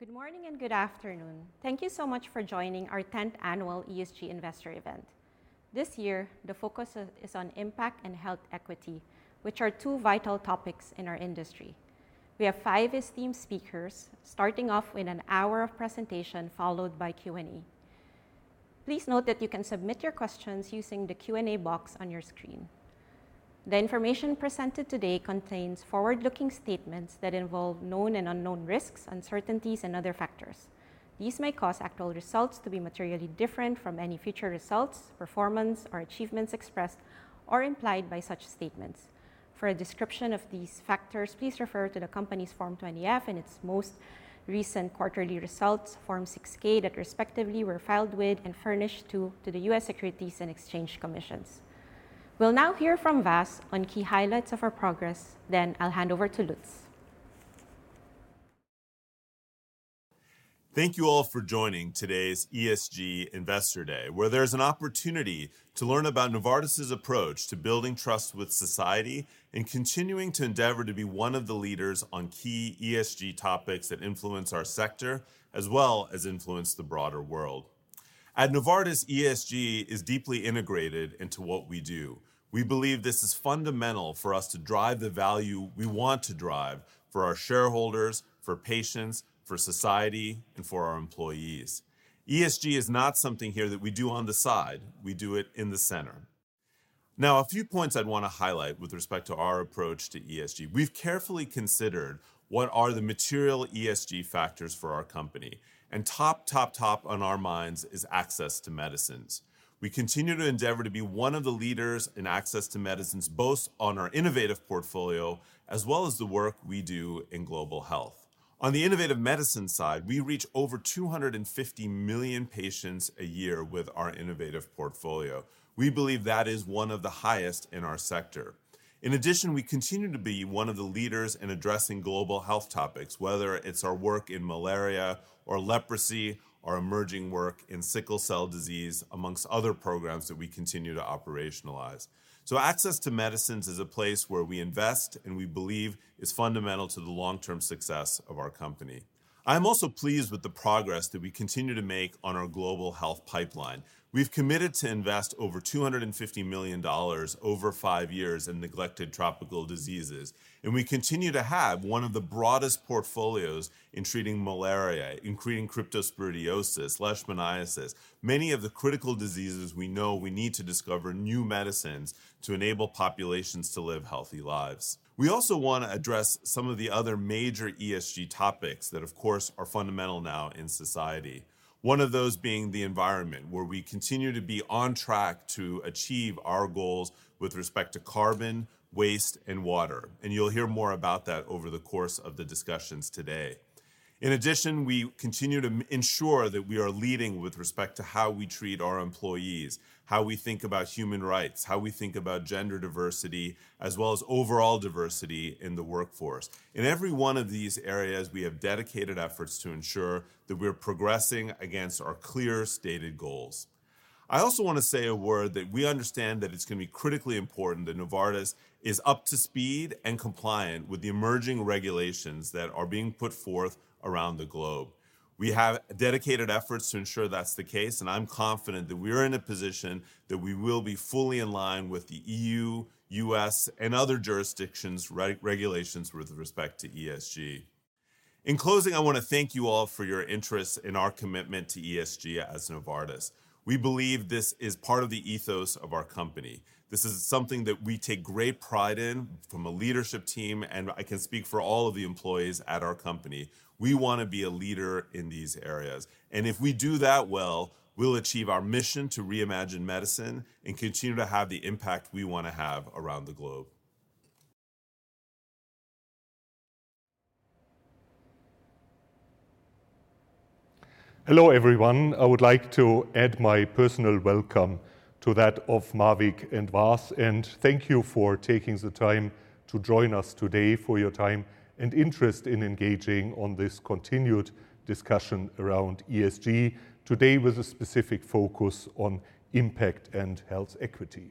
Good morning and good afternoon. Thank you so much for joining our tenth annual ESG Investor event. This year, the focus is on impact and health equity, which are two vital topics in our industry. We have five esteemed speakers, starting off with an hour of presentation, followed by Q&A. Please note that you can submit your questions using the Q&A box on your screen. The information presented today contains forward-looking statements that involve known and unknown risks, uncertainties, and other factors. These may cause actual results to be materially different from any future results, performance, or achievements expressed or implied by such statements. For a description of these factors, please refer to the company's Form 20-F and its most recent quarterly results, Form 6-K, that were respectively filed with and furnished to the U.S. Securities and Exchange Commission. We'll now hear from Vas on key highlights of our progress, then I'll hand over to Lutz. Thank you all for joining today's ESG Investor Day, where there's an opportunity to learn about Novartis's approach to building trust with society and continuing to endeavor to be one of the leaders on key ESG topics that influence our sector, as well as influence the broader world. At Novartis, ESG is deeply integrated into what we do. We believe this is fundamental for us to drive the value we want to drive for our shareholders, for patients, for society, and for our employees. ESG is not something here that we do on the side; we do it in the center. Now, a few points I'd want to highlight with respect to our approach to ESG. We've carefully considered what are the material ESG factors for our company, and top, top, top on our minds is access to medicines. We continue to endeavor to be one of the leaders in access to medicines, both on our innovative portfolio as well as the work we do in Global Health. On the innovative medicine side, we reach over 250 million patients a year with our innovative portfolio. We believe that is one of the highest in our sector. In addition, we continue to be one of the leaders in addressing Global Health topics, whether it's our work in malaria or leprosy, or emerging work in sickle cell disease, amongst other programs that we continue to operationalize. So access to medicines is a place where we invest, and we believe is fundamental to the long-term success of our company. I'm also pleased with the progress that we continue to make on our Global Health pipeline. We've committed to invest over $250 million over five years in neglected tropical diseases, and we continue to have one of the broadest portfolios in treating malaria, in treating cryptosporidiosis, leishmaniasis, many of the critical diseases we know we need to discover new medicines to enable populations to live healthy lives. We also want to address some of the other major ESG topics that, of course, are fundamental now in society. One of those being the environment, where we continue to be on track to achieve our goals with respect to carbon, waste, and water. You'll hear more about that over the course of the discussions today. In addition, we continue to ensure that we are leading with respect to how we treat our employees, how we think about human rights, how we think about gender diversity, as well as overall diversity in the workforce. In every one of these areas, we have dedicated efforts to ensure that we're progressing against our clear stated goals. I also want to say a word that we understand that it's going to be critically important that Novartis is up to speed and compliant with the emerging regulations that are being put forth around the globe. We have dedicated efforts to ensure that's the case, and I'm confident that we're in a position that we will be fully in line with the EU, U.S., and other jurisdictions' regulations with respect to ESG. In closing, I want to thank you all for your interest in our commitment to ESG as Novartis. We believe this is part of the ethos of our company. This is something that we take great pride in from a leadership team, and I can speak for all of the employees at our company. We want to be a leader in these areas, and if we do that well, we'll achieve our mission to reimagine medicine and continue to have the impact we want to have around the globe. Hello, everyone. I would like to add my personal welcome to that of Mavic and Vas, and thank you for taking the time to join us today, for your time and interest in engaging on this continued discussion around ESG, today with a specific focus on impact and health equity.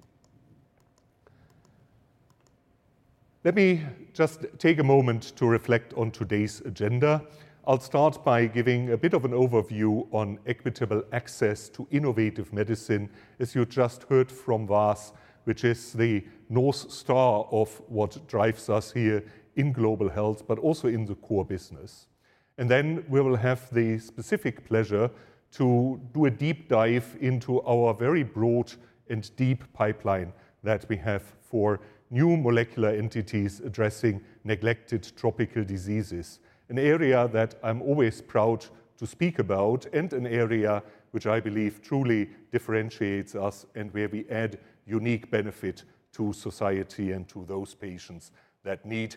Let me just take a moment to reflect on today's agenda. I'll start by giving a bit of an overview on equitable access to innovative medicine, as you just heard from Vas, which is the North Star of what drives us here in Global Health, but also in the core business. And then we will have the specific pleasure to do a deep dive into our very broad and deep pipeline that we have for new molecular entities addressing neglected tropical diseases, an area that I'm always proud to speak about, and an area which I believe truly differentiates us and where we add unique benefit to society and to those patients that need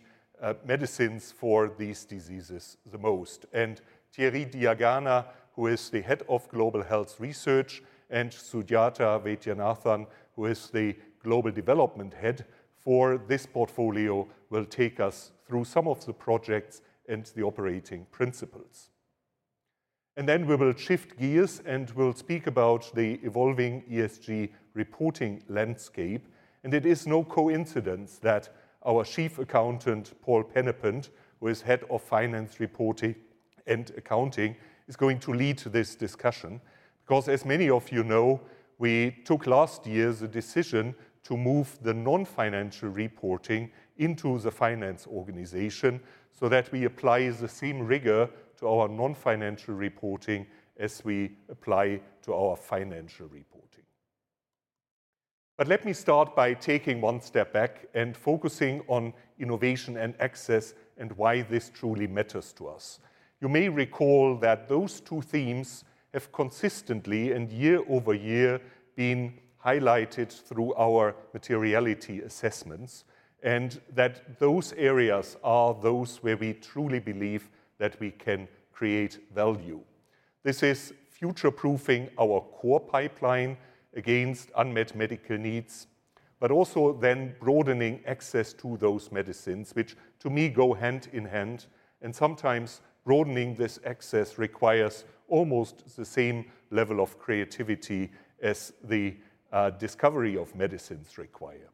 medicines for these diseases the most. And Thierry Diagana, who is the Head of Global Health Research, and Sujata Vaidyanathan, who is the Global Development Head for this portfolio, will take us through some of the projects and the operating principles. And then we will shift gears, and we'll speak about the evolving ESG reporting landscape. And it is no coincidence that our Chief Accountant, Paul Penninckx, who is Head of Finance Reporting and Accounting, is going to lead this discussion. Because as many of you know, we took last year's decision to move the non-financial reporting into the finance organization so that we apply the same rigor to our non-financial reporting as we apply to our financial reporting. But let me start by taking one step back and focusing on innovation and access and why this truly matters to us. You may recall that those two themes have consistently, and year-over-year, been highlighted through our materiality assessments, and that those areas are those where we truly believe that we can create value. This is future-proofing our core pipeline against unmet medical needs, but also then broadening access to those medicines, which to me go hand in hand, and sometimes broadening this access requires almost the same level of creativity as the discovery of medicines require.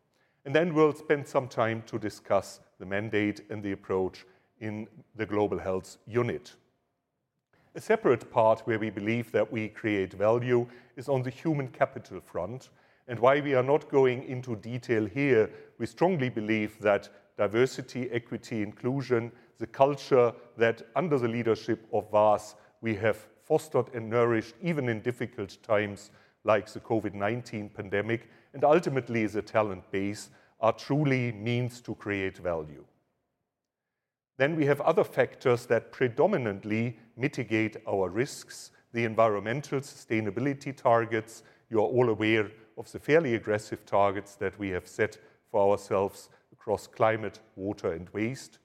Then we'll spend some time to discuss the mandate and the approach in the Global Health unit. A separate part where we believe that we create value is on the human capital front. While we are not going into detail here, we strongly believe that diversity, equity, inclusion, the culture that under the leadership of Vas, we have fostered and nourished, even in difficult times like the COVID-19 pandemic, and ultimately as a talent base, are truly means to create value. We have other factors that predominantly mitigate our risks. The environmental sustainability targets. You are all aware of the fairly aggressive targets that we have set for ourselves across climate, water and waste.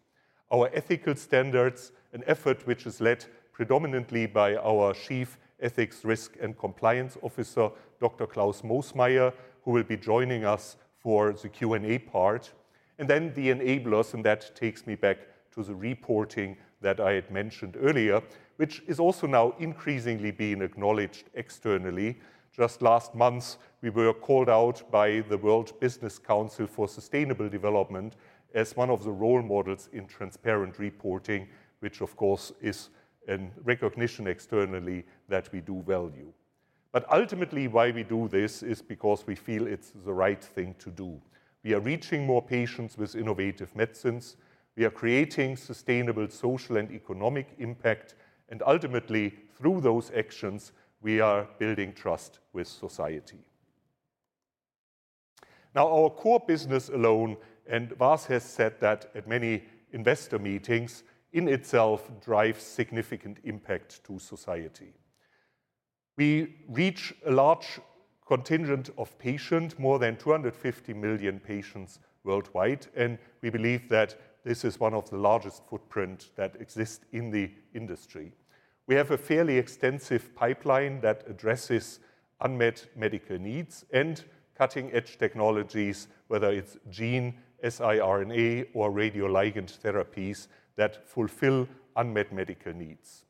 Our ethical standards, an effort which is led predominantly by our Chief Ethics, Risk, and Compliance Officer, Dr. Klaus Moosmayer, who will be joining us for the Q&A part. Then the enablers, and that takes me back to the reporting that I had mentioned earlier, which is also now increasingly being acknowledged externally. Just last month, we were called out by the World Business Council for Sustainable Development as one of the role models in transparent reporting, which of course, is in recognition externally that we do value. But ultimately, why we do this is because we feel it's the right thing to do. We are reaching more patients with innovative medicines. We are creating sustainable social and economic impact, and ultimately, through those actions, we are building trust with society. Now, our core business alone, and Vas has said that at many investor meetings, in itself drives significant impact to society. We reach a large contingent of patients, more than 250 million patients worldwide, and we believe that this is one of the largest footprint that exists in the industry. We have a fairly extensive pipeline that addresses unmet medical needs and cutting-edge technologies, whether it's gene, siRNA or radioligand therapies that fulfill unmet medical needs.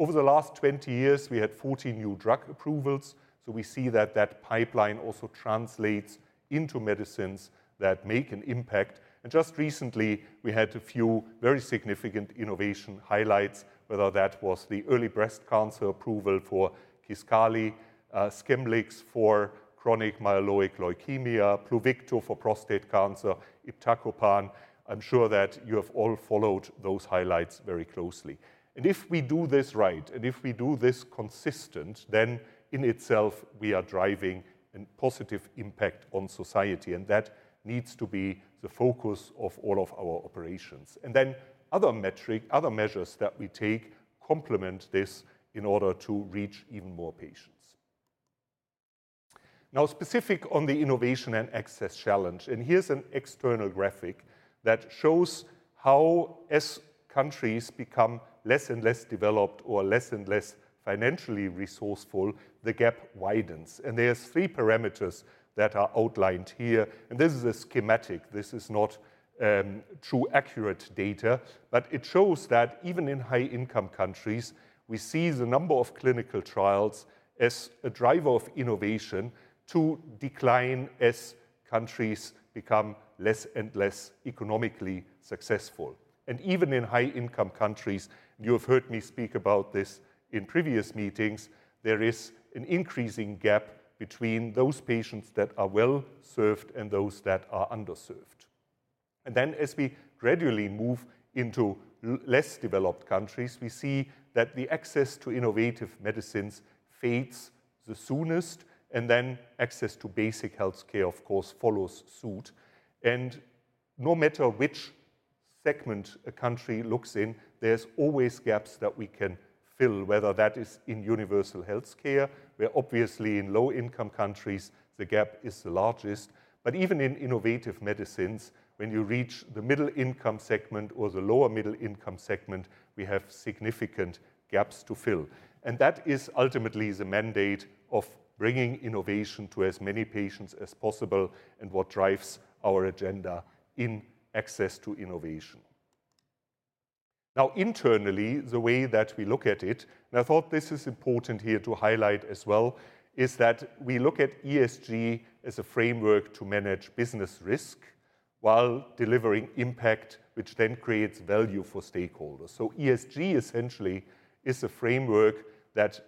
Over the last 20 years, we had 14 new drug approvals, so we see that that pipeline also translates into medicines that make an impact. And just recently, we had a few very significant innovation highlights, whether that was the early breast cancer approval for Kisqali, Scemblix for chronic myeloid leukemia, Pluvicto for prostate cancer, iptacopan. I'm sure that you have all followed those highlights very closely. If we do this right, and if we do this consistent, then in itself we are driving a positive impact on society, and that needs to be the focus of all of our operations. Then other metric, other measures that we take complement this in order to reach even more patients. Now, specific on the innovation and access challenge, and here's an external graphic that shows how as countries become less and less developed or less and less financially resourceful, the gap widens. And there's three parameters that are outlined here, and this is a schematic. This is not true accurate data, but it shows that even in high-income countries, we see the number of clinical trials as a driver of innovation to decline as countries become less and less economically successful. Even in high-income countries, you have heard me speak about this in previous meetings, there is an increasing gap between those patients that are well served and those that are underserved. Then as we gradually move into less developed countries, we see that the access to innovative medicines fades the soonest, and then access to basic health care, of course, follows suit. No matter which segment a country looks in, there's always gaps that we can fill, whether that is in universal health care, where obviously in low-income countries, the gap is the largest. But even in innovative medicines, when you reach the middle-income segment or the lower middle-income segment, we have significant gaps to fill. That is ultimately the mandate of bringing innovation to as many patients as possible, and what drives our agenda in access to innovation. Now internally, the way that we look at it, and I thought this is important here to highlight as well, is that we look at ESG as a framework to manage business risk while delivering impact, which then creates value for stakeholders. So ESG essentially is a framework that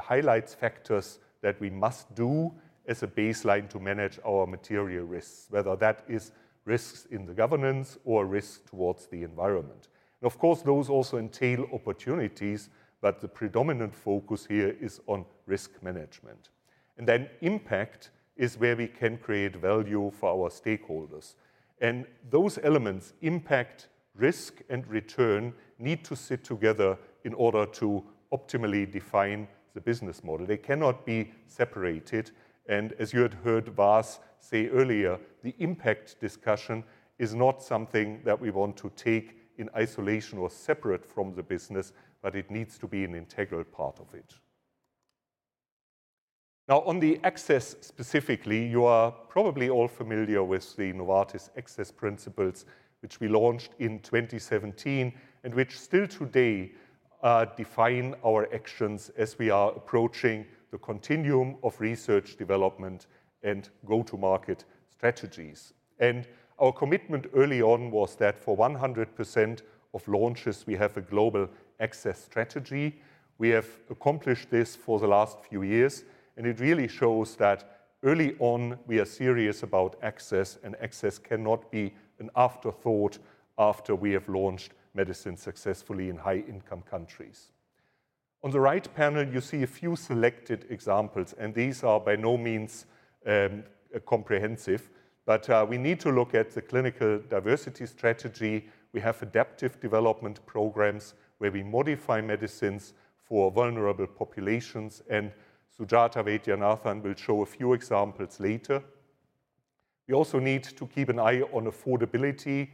highlights factors that we must do as a baseline to manage our material risks, whether that is risks in the governance or risk towards the environment. And of course, those also entail opportunities, but the predominant focus here is on risk management. And then impact is where we can create value for our stakeholders. And those elements, impact, risk, and return, need to sit together in order to optimally define the business model. They cannot be separated, and as you had heard Vas say earlier, the impact discussion is not something that we want to take in isolation or separate from the business, but it needs to be an integral part of it. Now, on the access specifically, you are probably all familiar with the Novartis Access Principles, which we launched in 2017, and which still today define our actions as we are approaching the continuum of research development and go-to-market strategies. Our commitment early on was that for 100% of launches, we have a global access strategy. We have accomplished this for the last few years, and it really shows that early on, we are serious about access, and access cannot be an afterthought after we have launched medicine successfully in high-income countries. On the right panel, you see a few selected examples, and these are by no means, comprehensive, but, we need to look at the clinical diversity strategy. We have adaptive development programs where we modify medicines for vulnerable populations, and Sujata Vaidyanathan will show a few examples later. We also need to keep an eye on affordability.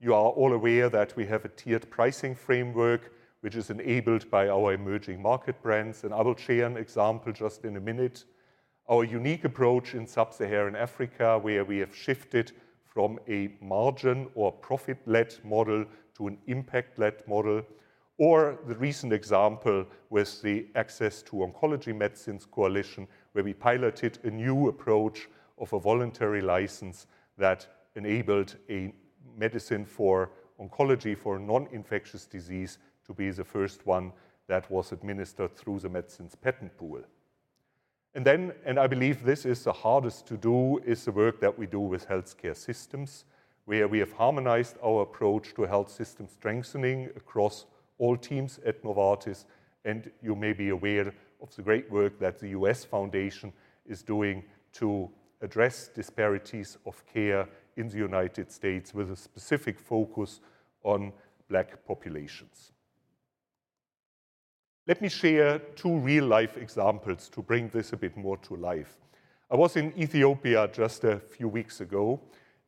You are all aware that we have a tiered pricing framework, which is enabled by our emerging market brands, and I will share an example just in a minute. Our unique approach in Sub-Saharan Africa, where we have shifted from a margin or profit-led model to an impact-led model, or the recent example with the Access to Oncology Medicines Coalition, where we piloted a new approach of a voluntary license that enabled a medicine for oncology for a non-infectious disease to be the first one that was administered through the Medicines Patent Pool. Then, I believe this is the hardest to do, is the work that we do with healthcare systems, where we have harmonized our approach to health system strengthening across all teams at Novartis, and you may be aware of the great work that the U.S. Foundation is doing to address disparities of care in the United States, with a specific focus on Black populations. Let me share two real-life examples to bring this a bit more to life. I was in Ethiopia just a few weeks ago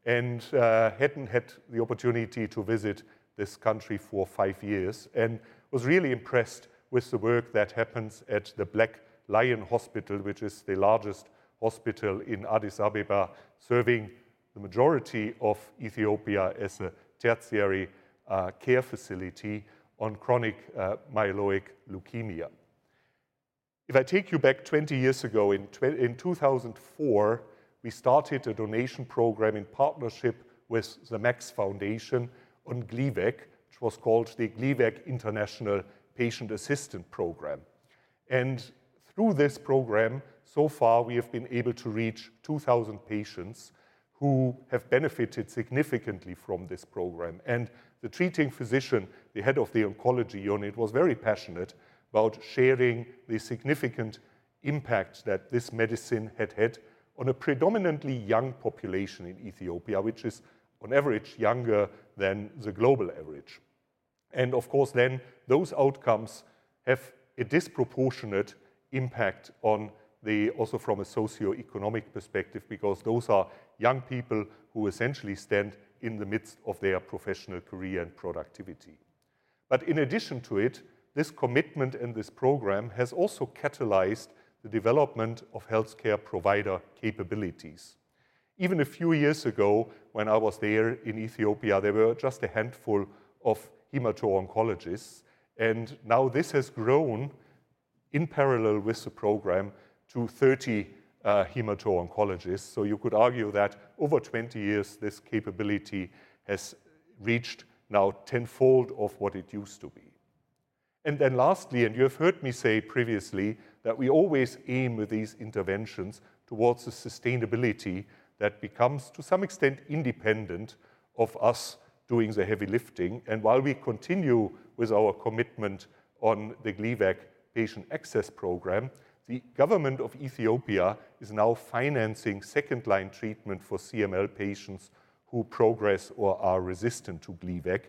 and hadn't had the opportunity to visit this country for five years and was really impressed with the work that happens at the Black Lion Hospital, which is the largest hospital in Addis Ababa, serving the majority of Ethiopia as a tertiary care facility on chronic myeloid leukemia. If I take you back 20 years ago, in 2004, we started a donation program in partnership with the Max Foundation on Glivec, which was called the Glivec International Patient Assistance Program. And through this program, so far, we have been able to reach 2,000 patients who have benefited significantly from this program. The treating physician, the head of the oncology unit, was very passionate about sharing the significant impact that this medicine had had on a predominantly young population in Ethiopia, which is on average, younger than the global average. Of course, then, those outcomes have a disproportionate impact on the, also from a socioeconomic perspective, because those are young people who essentially stand in the midst of their professional career and productivity. In addition to it, this commitment and this program has also catalyzed the development of healthcare provider capabilities. Even a few years ago, when I was there in Ethiopia, there were just a handful of hemato-oncologists, and now this has grown in parallel with the program to 30 hemato-oncologists. You could argue that over 20 years, this capability has reached now tenfold of what it used to be. And then lastly, and you have heard me say previously, that we always aim with these interventions towards the sustainability that becomes, to some extent, independent of us doing the heavy lifting. And while we continue with our commitment on the Glivec Patient Access Program, the government of Ethiopia is now financing second-line treatment for CML patients who progress or are resistant to Glivec.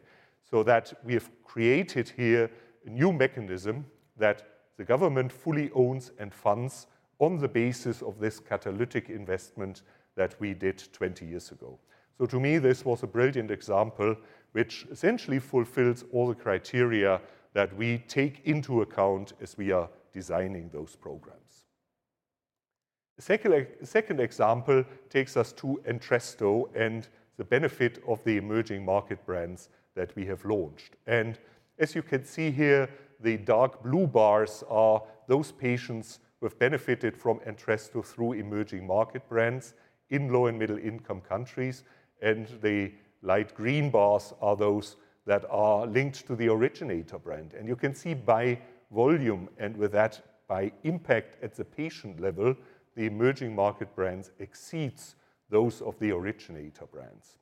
So that we have created here a new mechanism that the government fully owns and funds on the basis of this catalytic investment that we did 20 years ago. So to me, this was a brilliant example which essentially fulfills all the criteria that we take into account as we are designing those programs. The second example takes us to Entresto and the benefit of the emerging market brands that we have launched. As you can see here, the dark blue bars are those patients who have benefited from Entresto through emerging market brands in low and middle-income countries, and the light green bars are those that are linked to the originator brand. You can see by volume, and with that, by impact at the patient level, the emerging market brands exceeds those of the originator brands.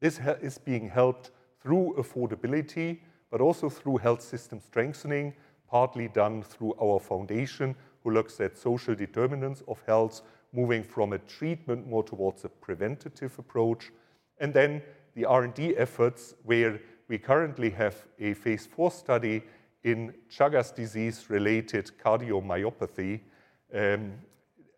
This is being helped through affordability, but also through health system strengthening, partly done through our foundation, who looks at social determinants of health, moving from a treatment more towards a preventative approach. Then the R&D efforts, where we currently have a phase IV study in Chagas disease-related cardiomyopathy,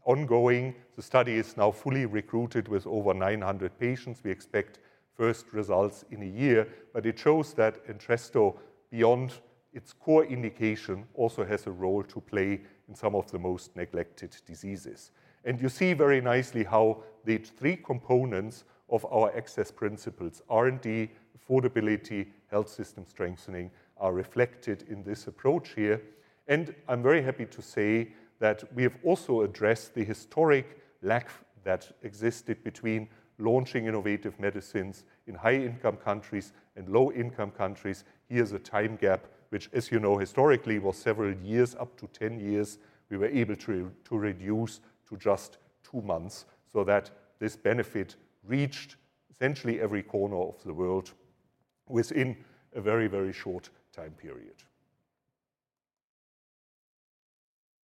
ongoing. The study is now fully recruited with over 900 patients. We expect first results in a year, but it shows that Entresto, beyond its core indication, also has a role to play in some of the most neglected diseases. And you see very nicely how the three components of our Access Principles, R&D, affordability, health system strengthening, are reflected in this approach here. And I'm very happy to say that we have also addressed the historic lack that existed between launching innovative medicines in high-income countries and low-income countries. Here's a time gap, which, as you know, historically was several years, up to 10 years. We were able to reduce to just two months, so that this benefit reached essentially every corner of the world within a very, very short time period.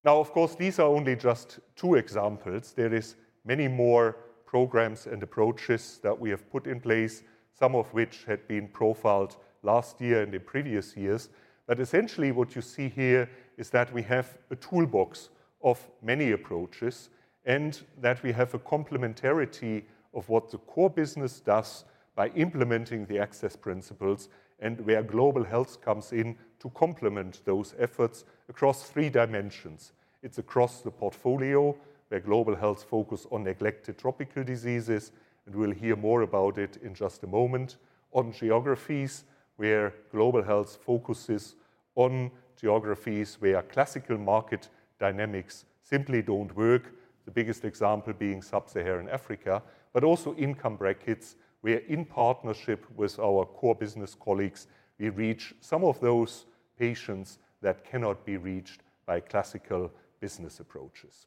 Now, of course, these are only just two examples. There is many more programs and approaches that we have put in place, some of which had been profiled last year and in previous years. But essentially, what you see here is that we have a toolbox of many approaches, and that we have a complementarity of what the core business does by implementing the Access Principles and where Global Health comes in to complement those efforts across three dimensions. It's across the portfolio, where Global Health focus on neglected tropical diseases, and we'll hear more about it in just a moment. On geographies where Global Health focuses on geographies, where classical market dynamics simply don't work, the biggest example being Sub-Saharan Africa. But also income brackets, where in partnership with our core business colleagues, we reach some of those patients that cannot be reached by classical business approaches.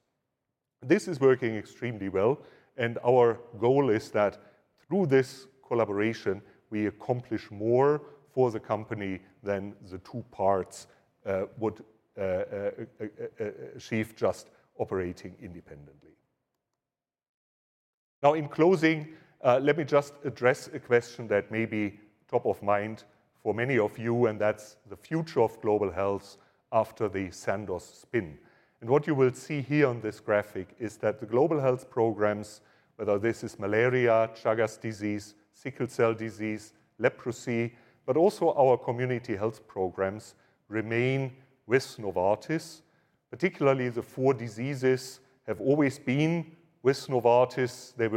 This is working extremely well, and our goal is that through this collaboration, we accomplish more for the company than the two parts would achieve just operating independently. Now, in closing, let me just address a question that may be top of mind for many of you, and that's the future of Global Health after the Sandoz spin. And what you will see here on this graphic is that the Global Health programs, whether this is malaria, Chagas disease, sickle cell disease, leprosy, but also our community health programs, remain with Novartis. Particularly, the four diseases have always been with Novartis. They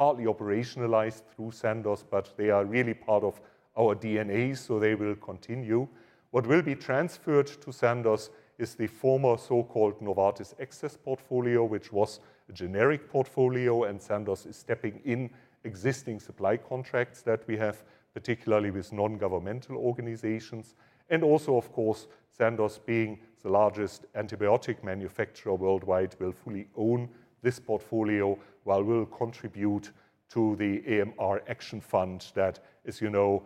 were partly operationalized through Sandoz, but they are really part of our DNA, so they will continue. What will be transferred to Sandoz is the former so-called Novartis Access portfolio, which was a generic portfolio, and Sandoz is stepping in existing supply contracts that we have, particularly with non-governmental organizations. And also, of course, Sandoz, being the largest antibiotic manufacturer worldwide, will fully own this portfolio, while we'll contribute to the AMR Action Fund that, as you know,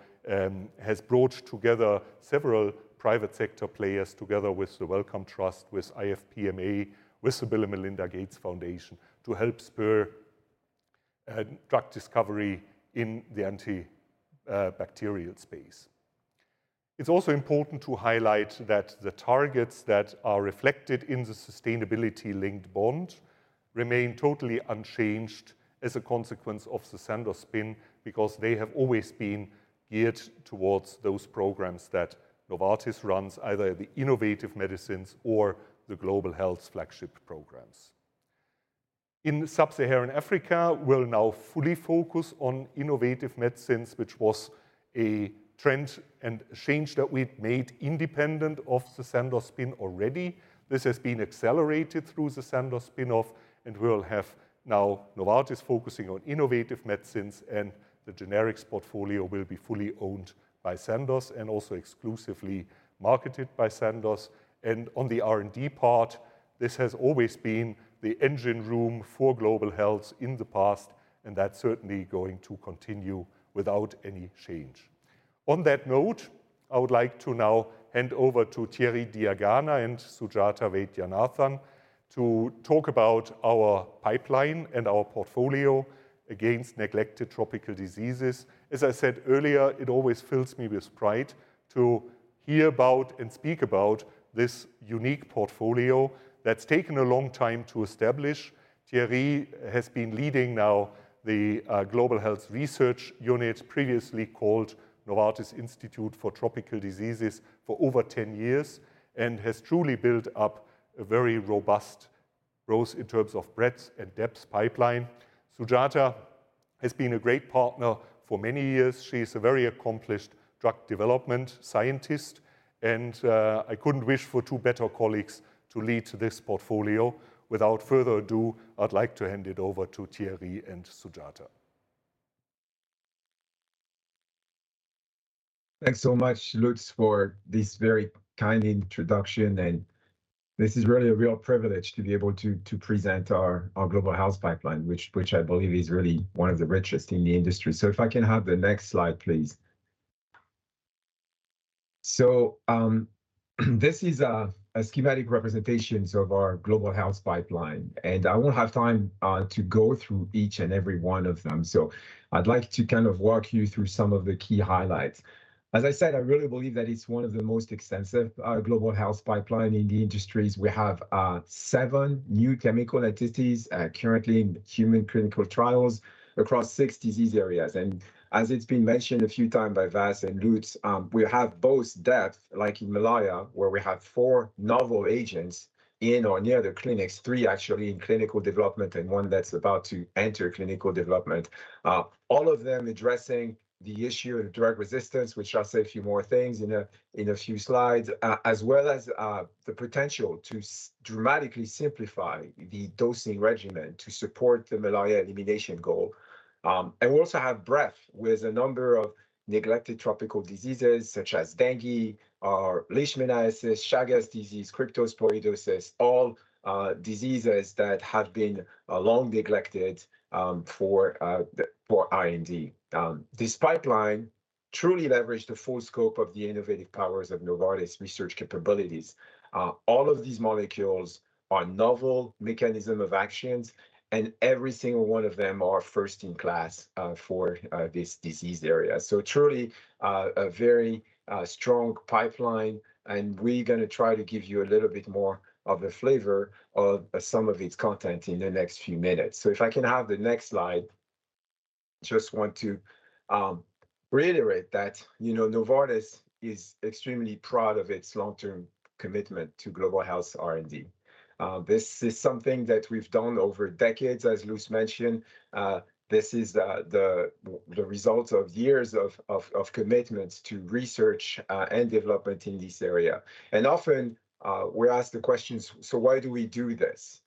has brought together several private sector players, together with the Wellcome Trust, with IFPMA, with the Bill & Melinda Gates Foundation, to help spur drug discovery in the antibacterial space. It's also important to highlight that the targets that are reflected in the sustainability-linked bond remain totally unchanged as a consequence of the Sandoz spin, because they have always been geared towards those programs that Novartis runs, either the innovative medicines or the Global Health flagship programs. In Sub-Saharan Africa, we'll now fully focus on innovative medicines, which was a trend and change that we'd made independent of the Sandoz spin already. This has been accelerated through the Sandoz spin-off, and we'll have now Novartis focusing on innovative medicines, and the generics portfolio will be fully owned by Sandoz and also exclusively marketed by Sandoz. On the R&D part, this has always been the engine room for Global Health in the past, and that's certainly going to continue without any change. On that note, I would like to now hand over to Thierry Diagana and Sujata Vaidyanathan to talk about our pipeline and our portfolio against neglected tropical diseases. As I said earlier, it always fills me with pride to hear about and speak about this unique portfolio that's taken a long time to establish-... Thierry has been leading now the Global Health Research unit, previously called Novartis Institute for Tropical Diseases, for over 10 years, and has truly built up a very robust growth in terms of breadth and depth pipeline. Sujata has been a great partner for many years. She's a very accomplished drug development scientist, and I couldn't wish for two better colleagues to lead this portfolio. Without further ado, I'd like to hand it over to Thierry and Sujata. Thanks so much, Lutz, for this very kind introduction, and this is really a real privilege to be able to to present our Global Health pipeline, which I believe is really one of the richest in the industry. So if I can have the next slide, please. So, this is a schematic representation of our Global Health pipeline, and I won't have time to go through each and every one of them, so I'd like to kind of walk you through some of the key highlights. As I said, I really believe that it's one of the most extensive Global Health pipeline in the industries. We have seven new chemical entities currently in human clinical trials across six disease areas. As it's been mentioned a few times by Vas and Lutz, we have both depth, like in malaria, where we have 4 novel agents in or near the clinics, three actually in clinical development and one that's about to enter clinical development. All of them addressing the issue of drug resistance, which I'll say a few more things in a few slides, as well as the potential to dramatically simplify the dosing regimen to support the malaria elimination goal. And we also have breadth, with a number of neglected tropical diseases such as dengue or leishmaniasis, Chagas disease, cryptosporidiosis, all diseases that have been long neglected for the for R&D. This pipeline truly leverage the full scope of the innovative powers of Novartis research capabilities. All of these molecules are novel mechanism of actions, and every single one of them are first-in-class for this disease area. So truly, a very strong pipeline, and we're gonna try to give you a little bit more of a flavor of some of its content in the next few minutes. So if I can have the next slide. Just want to reiterate that, you know, Novartis is extremely proud of its long-term commitment to Global Health R&D. This is something that we've done over decades, as Lutz mentioned. This is the result of years of commitment to research and development in this area. And often, we're asked the questions: so why do we do this?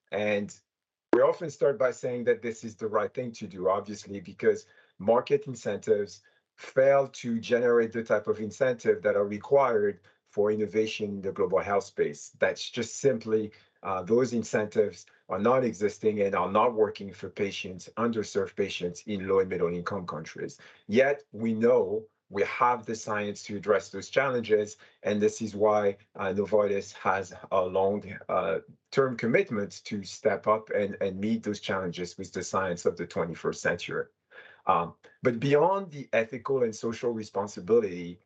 We often start by saying that this is the right thing to do, obviously, because market incentives fail to generate the type of incentive that are required for innovation in the Global Health space. That's just simply those incentives are not existing and are not working for patients, underserved patients in low- and middle-income countries. Yet, we know we have the science to address those challenges, and this is why Novartis has a long-term commitment to step up and meet those challenges with the science of the 21st century. But beyond the ethical and social responsibility,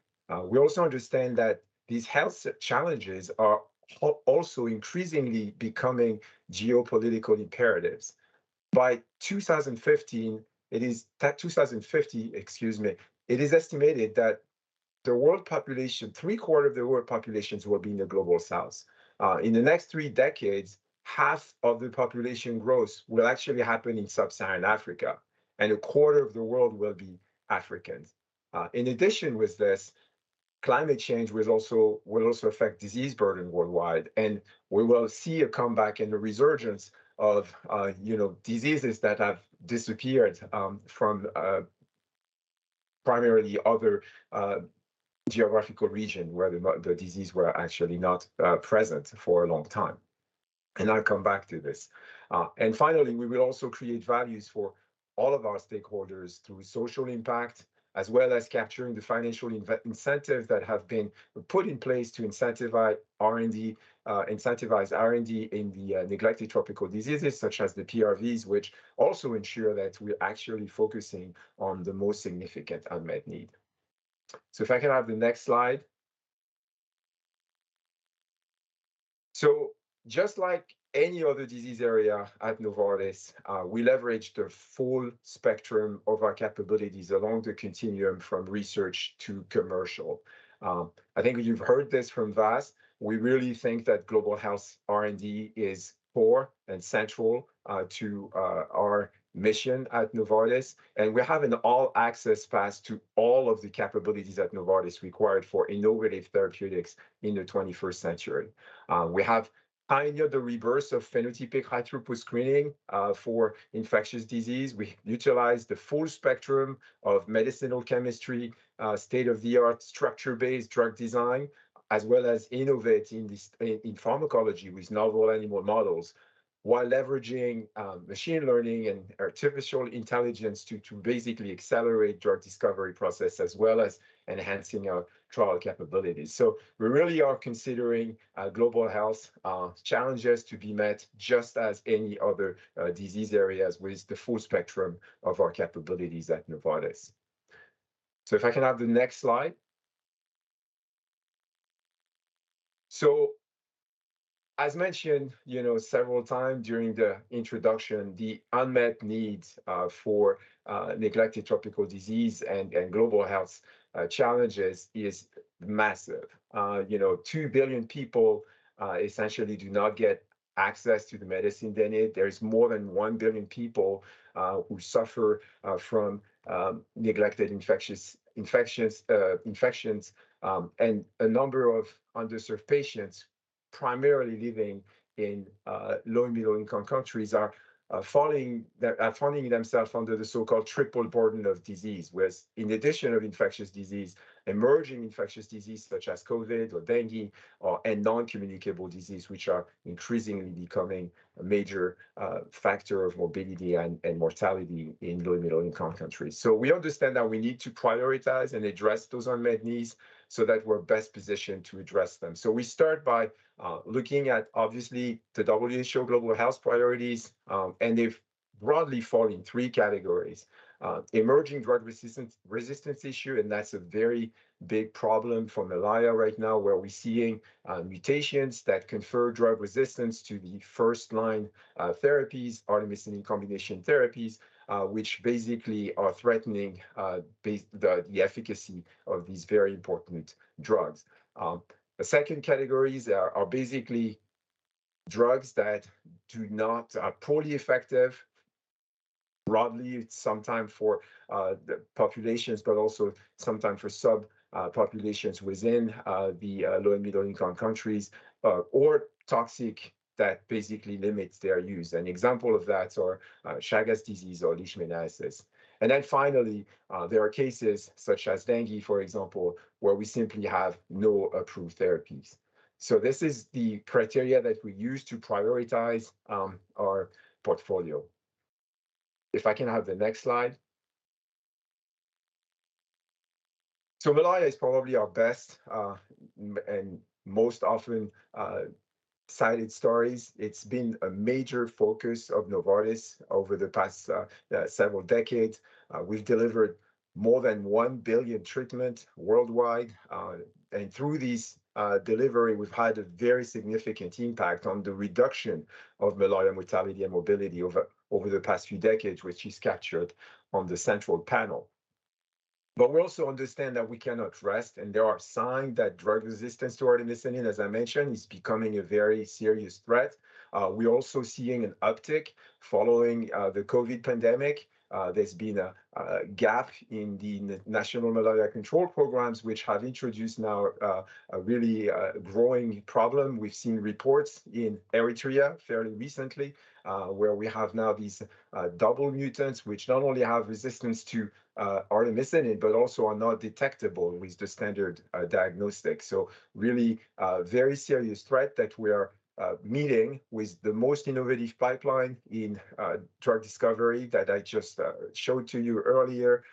we also understand that these health challenges are also increasingly becoming geopolitical imperatives. By 2050, excuse me, it is estimated that the world population, three-quarters of the world population will be in the Global South. In the next three decades, half of the population growth will actually happen in sub-Saharan Africa, and a quarter of the world will be Africans. In addition with this, climate change will also affect disease burden worldwide, and we will see a comeback and a resurgence of, you know, diseases that have disappeared from primarily other geographical region, where the disease were actually not present for a long time. And I'll come back to this. And finally, we will also create values for all of our stakeholders through social impact, as well as capturing the financial incentives that have been put in place to incentivize R&D in the neglected tropical diseases, such as the PRVs, which also ensure that we're actually focusing on the most significant unmet need. So if I can have the next slide. Just like any other disease area at Novartis, we leverage the full spectrum of our capabilities along the continuum from research to commercial. I think you've heard this from Vas. We really think that Global Health R&D is core and central to our mission at Novartis, and we have an all-access pass to all of the capabilities that Novartis required for innovative therapeutics in the 21st century. We have pioneered the reverse of phenotypic high-throughput screening for infectious disease. We utilize the full spectrum of medicinal chemistry, state-of-the-art structure-based drug design, as well as innovating this in pharmacology with novel animal models, while leveraging machine learning and artificial intelligence to basically accelerate drug discovery process, as well as enhancing our trial capabilities. So we really are considering Global Health challenges to be met just as any other disease areas with the full spectrum of our capabilities at Novartis. So if I can have the next slide? So as mentioned, you know, several times during the introduction, the unmet needs for neglected tropical disease and Global Health challenges is massive. You know, 2 billion people essentially do not get access to the medicine they need. There is more than 1 billion people who suffer from neglected infectious infections. And a number of underserved patients, primarily living in low and middle-income countries, are finding themselves under the so-called triple burden of disease. Whereas in addition of infectious disease, emerging infectious disease such as COVID or dengue, or non-communicable disease, which are increasingly becoming a major factor of morbidity and mortality in low and middle-income countries. So we understand that we need to prioritize and address those unmet needs so that we're best positioned to address them. So we start by looking at, obviously, the WHO Global Health priorities, and they've broadly fall in three categories. Emerging drug resistance, resistance issue, and that's a very big problem for malaria right now, where we're seeing mutations that confer drug resistance to the first-line therapies, artemisinin combination therapies, which basically are threatening the efficacy of these very important drugs. The second categories are basically drugs that do not... They are poorly effective, broadly, sometimes for the populations, but also sometimes for subpopulations within the low and middle-income countries, or toxic that basically limits their use. An example of that are Chagas disease or leishmaniasis. And then finally, there are cases such as dengue, for example, where we simply have no approved therapies. So this is the criteria that we use to prioritize our portfolio. If I can have the next slide. So malaria is probably our best and most often cited stories. It's been a major focus of Novartis over the past several decades. We've delivered more than 1 billion treatments worldwide, and through these deliveries, we've had a very significant impact on the reduction of malaria mortality and morbidity over the past few decades, which is captured on the central panel. But we also understand that we cannot rest, and there are signs that drug resistance to artemisinin, as I mentioned, is becoming a very serious threat. We're also seeing an uptick following the COVID pandemic. There's been a gap in the national malaria control programs, which have introduced now a really growing problem. We've seen reports in Eritrea fairly recently, where we have now these double mutants, which not only have resistance to artemisinin, but also are not detectable with the standard diagnostic. So really, a very serious threat that we are meeting with the most innovative pipeline in drug discovery that I just showed to you earlier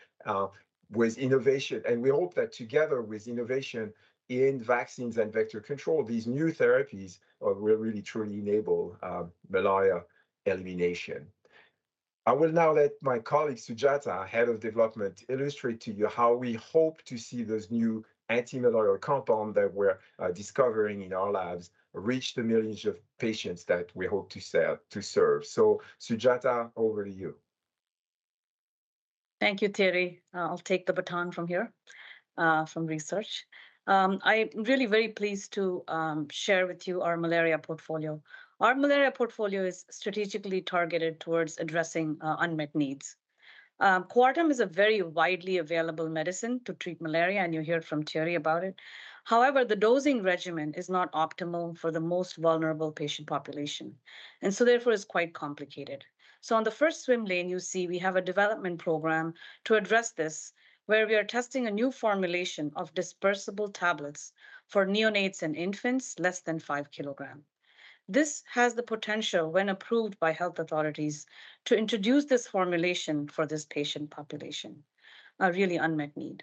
with innovation. And we hope that together with innovation in vaccines and vector control, these new therapies will really, truly enable malaria elimination. I will now let my colleague Sujata, Head of Development, illustrate to you how we hope to see this new antimalarial compound that we're discovering in our labs reach the millions of patients that we hope to serve. So, Sujata, over to you. Thank you, Thierry. I'll take the baton from here from research. I'm really very pleased to share with you our malaria portfolio. Our malaria portfolio is strategically targeted towards addressing unmet needs. Coartem is a very widely available medicine to treat malaria, and you heard from Thierry about it. However, the dosing regimen is not optimal for the most vulnerable patient population, and so therefore is quite complicated. So on the first swim lane, you see we have a development program to address this, where we are testing a new formulation of dispersible tablets for neonates and infants less than 5 kg. This has the potential, when approved by health authorities, to introduce this formulation for this patient population, a really unmet need.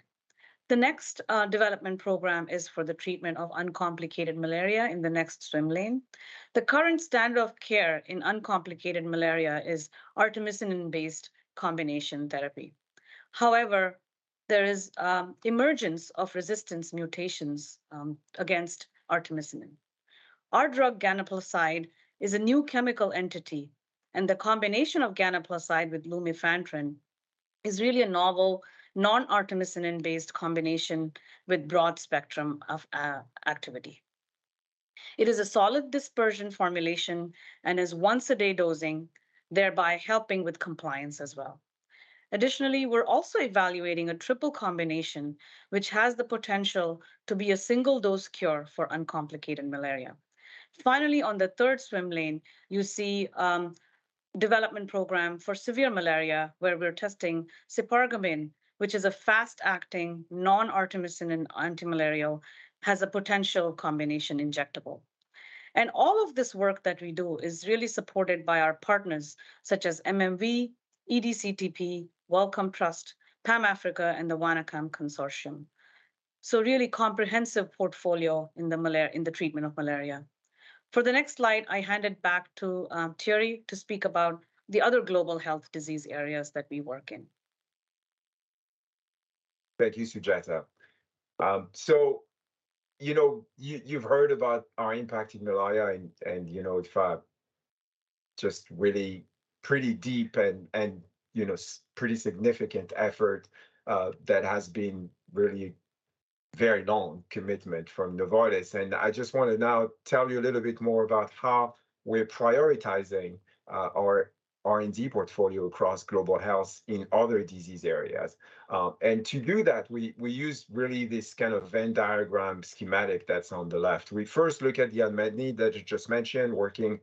The next development program is for the treatment of uncomplicated malaria in the next swim lane. The current standard of care in uncomplicated malaria is artemisinin-based combination therapy. However, there is emergence of resistance mutations against artemisinin. Our drug, ganaplacide, is a new chemical entity, and the combination of ganaplacide with lumefantrine is really a novel, non-artemisinin-based combination with broad spectrum of activity. It is a solid dispersion formulation and is once-a-day dosing, thereby helping with compliance as well. Additionally, we're also evaluating a triple combination, which has the potential to be a single-dose cure for uncomplicated malaria. Finally, on the third swim lane, you see development program for severe malaria, where we're testing cipargamin, which is a fast-acting, non-artemisinin antimalarial, has a potential combination injectable. And all of this work that we do is really supported by our partners, such as MMV, EDCTP, Wellcome Trust, PAMAfrica, and the WANECAM consortium. So really comprehensive portfolio in the treatment of malaria. For the next slide, I hand it back to Thierry to speak about the other Global Health disease areas that we work in. Thank you, Sujata. So, you know you've heard about our impact in malaria and you know, it's a just really pretty deep and you know, pretty significant effort that has been really very long commitment from Novartis. I just want to now tell you a little bit more about how we're prioritizing our R&D portfolio across Global Health in other disease areas. To do that, we, we use really this kind of Venn diagram schematic that's on the left. We first look at the unmet need that you just mentioned, working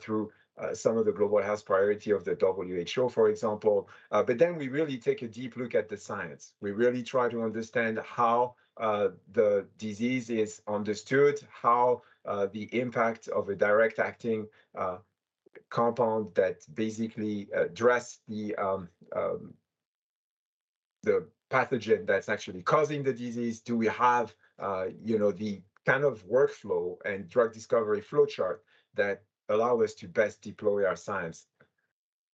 through some of the Global Health priority of the WHO, for example. But then we really take a deep look at the science. We really try to understand how the disease is understood, how the impact of a direct-acting compound that basically address the pathogen that's actually causing the disease. Do we have, you know, the kind of workflow and drug discovery flowchart that allow us to best deploy our science?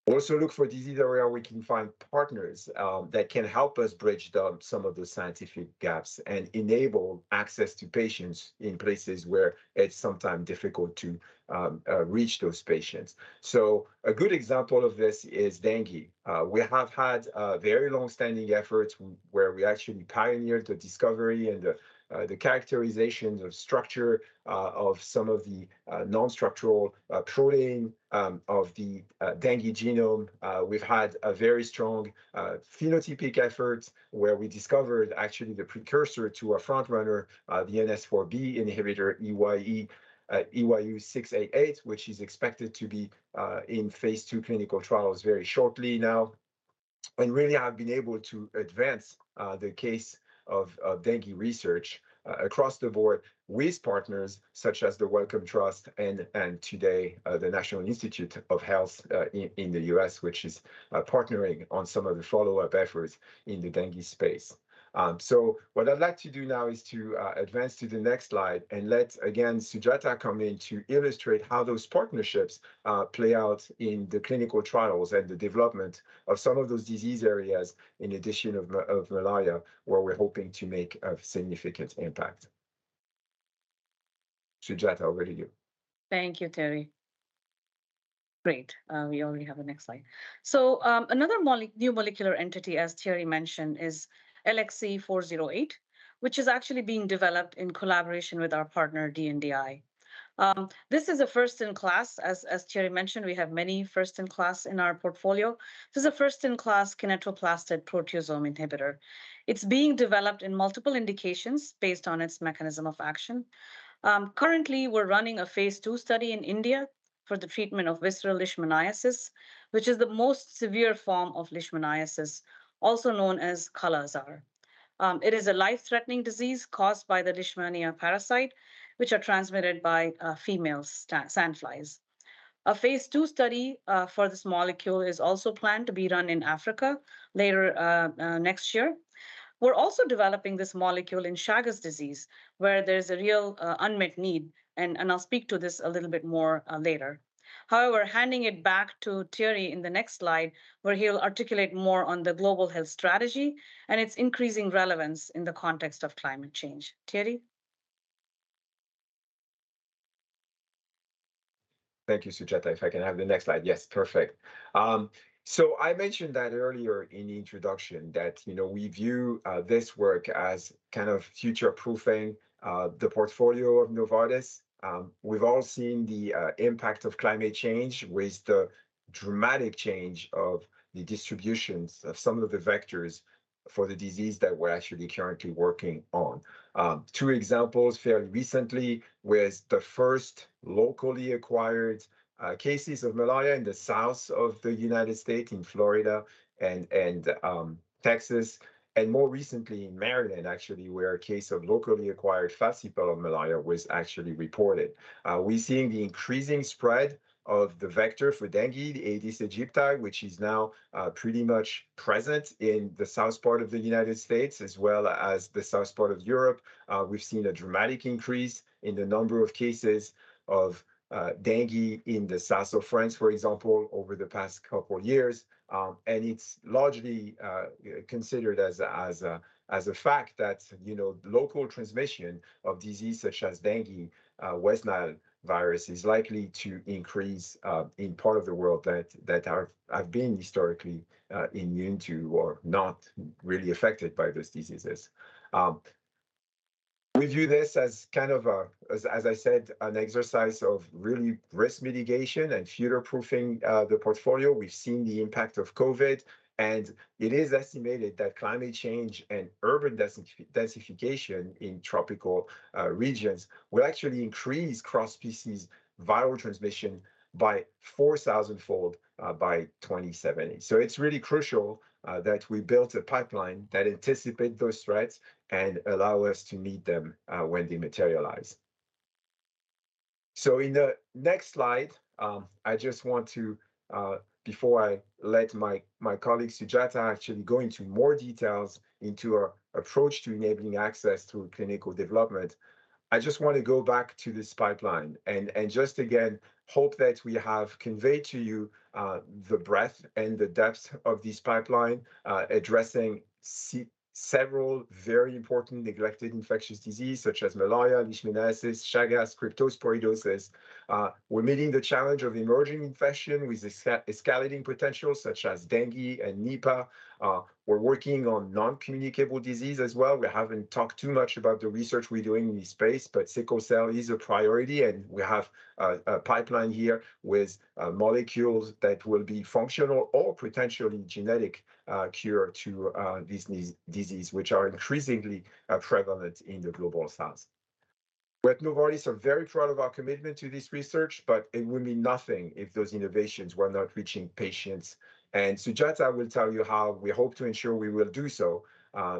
We also look for disease area where we can find partners that can help us bridge some of the scientific gaps and enable access to patients in places where it's sometimes difficult to reach those patients. So a good example of this is dengue. We have had a very long-standing efforts where we actually pioneered the discovery and the characterization of structure of some of the non-structural protein of the dengue genome. We've had a very strong phenotypic effort, where we discovered actually the precursor to a frontrunner, the NS4B inhibitor, EYU688, which is expected to be in phase II clinical trials very shortly now. And really have been able to advance the case of dengue research across the board with partners such as the Wellcome Trust and today the National Institutes of Health in the U.S., which is partnering on some of the follow-up efforts in the dengue space. So what I'd like to do now is to advance to the next slide, and let again Sujata come in to illustrate how those partnerships play out in the clinical trials and the development of some of those disease areas, in addition of malaria, where we're hoping to make a significant impact. Sujata, over to you. Thank you, Thierry. Great. We already have the next slide. So, another new molecular entity, as Thierry mentioned, is LXE408, which is actually being developed in collaboration with our partner, DNDi. This is a first-in-class as, as Thierry mentioned, we have many first-in-class in our portfolio. This is a first-in-class kinetoplastid proteasome inhibitor. It's being developed in multiple indications based on its mechanism of action. Currently, we're running a phase II study in India for the treatment of visceral leishmaniasis, which is the most severe form of leishmaniasis, also known as kala-azar. It is a life-threatening disease caused by the Leishmania parasite, which are transmitted by female sandflies. A phase II study for this molecule is also planned to be run in Africa later next year. We're also developing this molecule in Chagas disease, where there's a real, unmet need, and I'll speak to this a little bit more, later. However, handing it back to Thierry in the next slide, where he'll articulate more on the Global Health strategy and its increasing relevance in the context of climate change. Thierry? Thank you, Sujata. If I can have the next slide. Yes, perfect. So I mentioned that earlier in the introduction that, you know, we view this work as kind of future-proofing the portfolio of Novartis. We've all seen the impact of climate change with the dramatic change of the distributions of some of the vectors for the disease that we're actually currently working on. Two examples fairly recently, with the first locally acquired cases of malaria in the south of the United States, in Florida and Texas, and more recently in Maryland, actually, where a case of locally acquired falciparum malaria was actually reported. We're seeing the increasing spread of the vector for dengue, the Aedes aegypti, which is now pretty much present in the south part of the United States, as well as the south part of Europe. We've seen a dramatic increase in the number of cases of dengue in the south of France, for example, over the past couple years. It's largely considered a fact that, you know, local transmission of diseases such as dengue, West Nile virus, is likely to increase in part of the world that have been historically immune to or not really affected by those diseases. We view this as kind of, as I said, an exercise of really risk mitigation and future-proofing the portfolio. We've seen the impact of COVID, and it is estimated that climate change and urban densification in tropical regions will actually increase cross-species viral transmission by 4,000-fold by 2070. So it's really crucial that we build a pipeline that anticipate those threats and allow us to meet them when they materialize. So in the next slide, I just want to, before I let my colleague Sujata actually go into more details into our approach to enabling access through clinical development, I just want to go back to this pipeline. And just again, hope that we have conveyed to you the breadth and the depth of this pipeline, addressing several very important neglected infectious diseases such as malaria, leishmaniasis, Chagas, cryptosporidiosis. We're meeting the challenge of emerging infections with escalating potential, such as dengue and Nipah. We're working on non-communicable disease as well. We haven't talked too much about the research we're doing in this space, but sickle cell is a priority, and we have a pipeline here with molecules that will be functional or potentially genetic cure to these disease, which are increasingly prevalent in the Global South. We at Novartis are very proud of our commitment to this research, but it would mean nothing if those innovations were not reaching patients. Sujata will tell you how we hope to ensure we will do so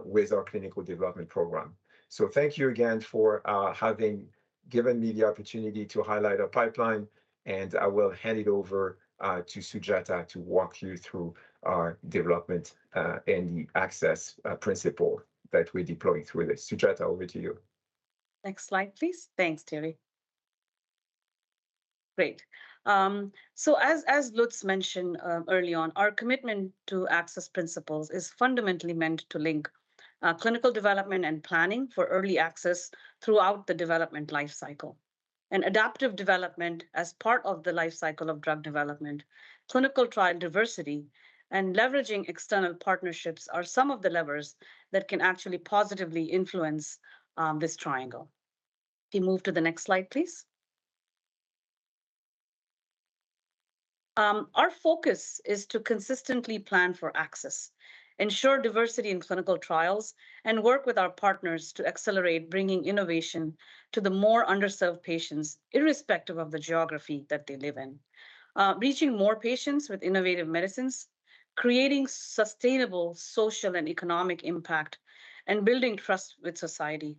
with our clinical development program. So thank you again for having given me the opportunity to highlight our pipeline, and I will hand it over to Sujata to walk you through our development and the access principle that we're deploying through this. Sujata, over to you. Next slide, please. Thanks, Thierry. Great. So as Lutz mentioned, early on, our commitment to Access Principles is fundamentally meant to link, clinical development and planning for early access throughout the development life cycle. Adaptive development as part of the life cycle of drug development, clinical trial diversity, and leveraging external partnerships are some of the levers that can actually positively influence this triangle. Can you move to the next slide, please? Our focus is to consistently plan for access, ensure diversity in clinical trials, and work with our partners to accelerate bringing innovation to the more underserved patients, irrespective of the geography that they live in. Reaching more patients with innovative medicines, creating sustainable social and economic impact, and building trust with society.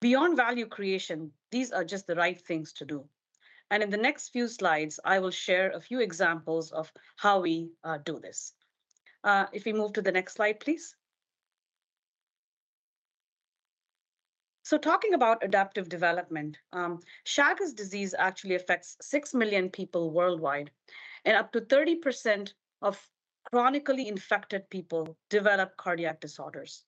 Beyond value creation, these are just the right things to do. In the next few slides, I will share a few examples of how we do this. If we move to the next slide, please. So talking about adaptive development, Chagas disease actually affects 6 million people worldwide, and up to 30% of chronically infected people develop cardiac disorders.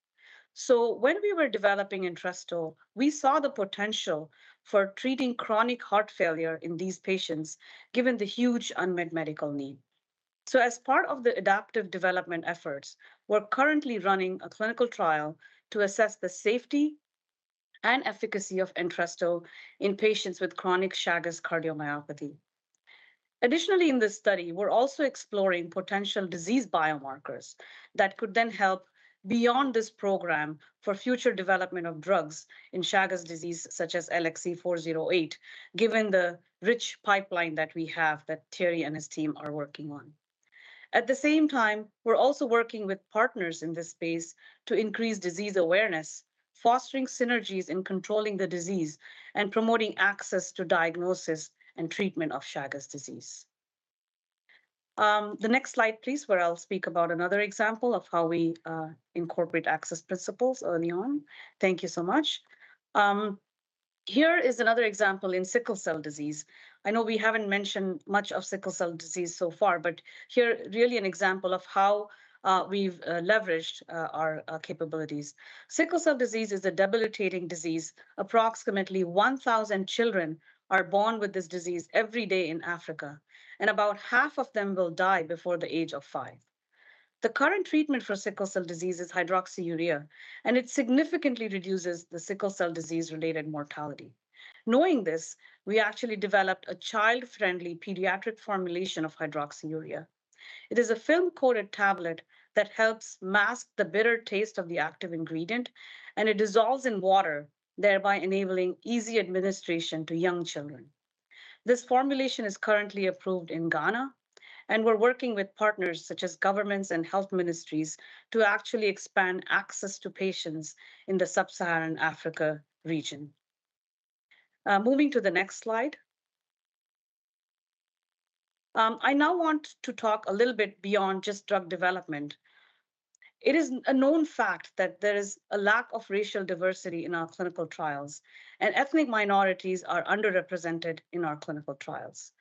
So when we were developing Entresto, we saw the potential for treating chronic heart failure in these patients, given the huge unmet medical need. So as part of the adaptive development efforts, we're currently running a clinical trial to assess the safety and efficacy of Entresto in patients with chronic Chagas cardiomyopathy. Additionally, in this study, we're also exploring potential disease biomarkers that could then help beyond this program for future development of drugs in Chagas disease, such as LXE408, given the rich pipeline that we have that Thierry and his team are working on. At the same time, we're also working with partners in this space to increase disease awareness, fostering synergies in controlling the disease, and promoting access to diagnosis and treatment of Chagas disease. The next slide, please, where I'll speak about another example of how we incorporate Access Principles early on. Thank you so much. Here is another example in sickle cell disease. I know we haven't mentioned much of sickle cell disease so far, but here, really an example of how we've leveraged our capabilities. Sickle cell disease is a debilitating disease. Approximately 1,000 children are born with this disease every day in Africa, and about half of them will die before the age of five. The current treatment for sickle cell disease is hydroxyurea, and it significantly reduces the sickle cell disease-related mortality. Knowing this, we actually developed a child-friendly pediatric formulation of hydroxyurea. It is a film-coated tablet that helps mask the bitter taste of the active ingredient, and it dissolves in water, thereby enabling easy administration to young children. This formulation is currently approved in Ghana, and we're working with partners such as governments and health ministries to actually expand access to patients in the Sub-Saharan Africa region. Moving to the next slide. I now want to talk a little bit beyond just drug development. It is a known fact that there is a lack of racial diversity in our clinical trials, and ethnic minorities are underrepresented in our clinical trials.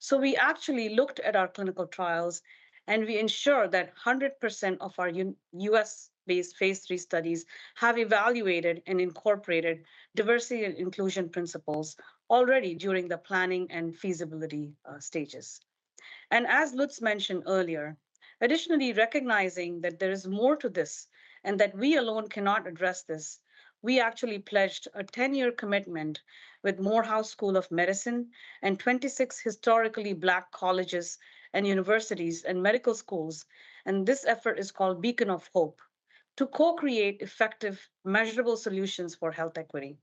So we actually looked at our clinical trials, and we ensure that 100% of our U.S.-based phase III studies have evaluated and incorporated diversity and inclusion principles already during the planning and feasibility stages. As Lutz mentioned earlier, additionally, recognizing that there is more to this and that we alone cannot address this, we actually pledged a 10-year commitment with Morehouse School of Medicine and 26 Historically Black Colleges and Universities and medical schools, and this effort is called Beacon of Hope, to co-create effective, measurable solutions for health equity.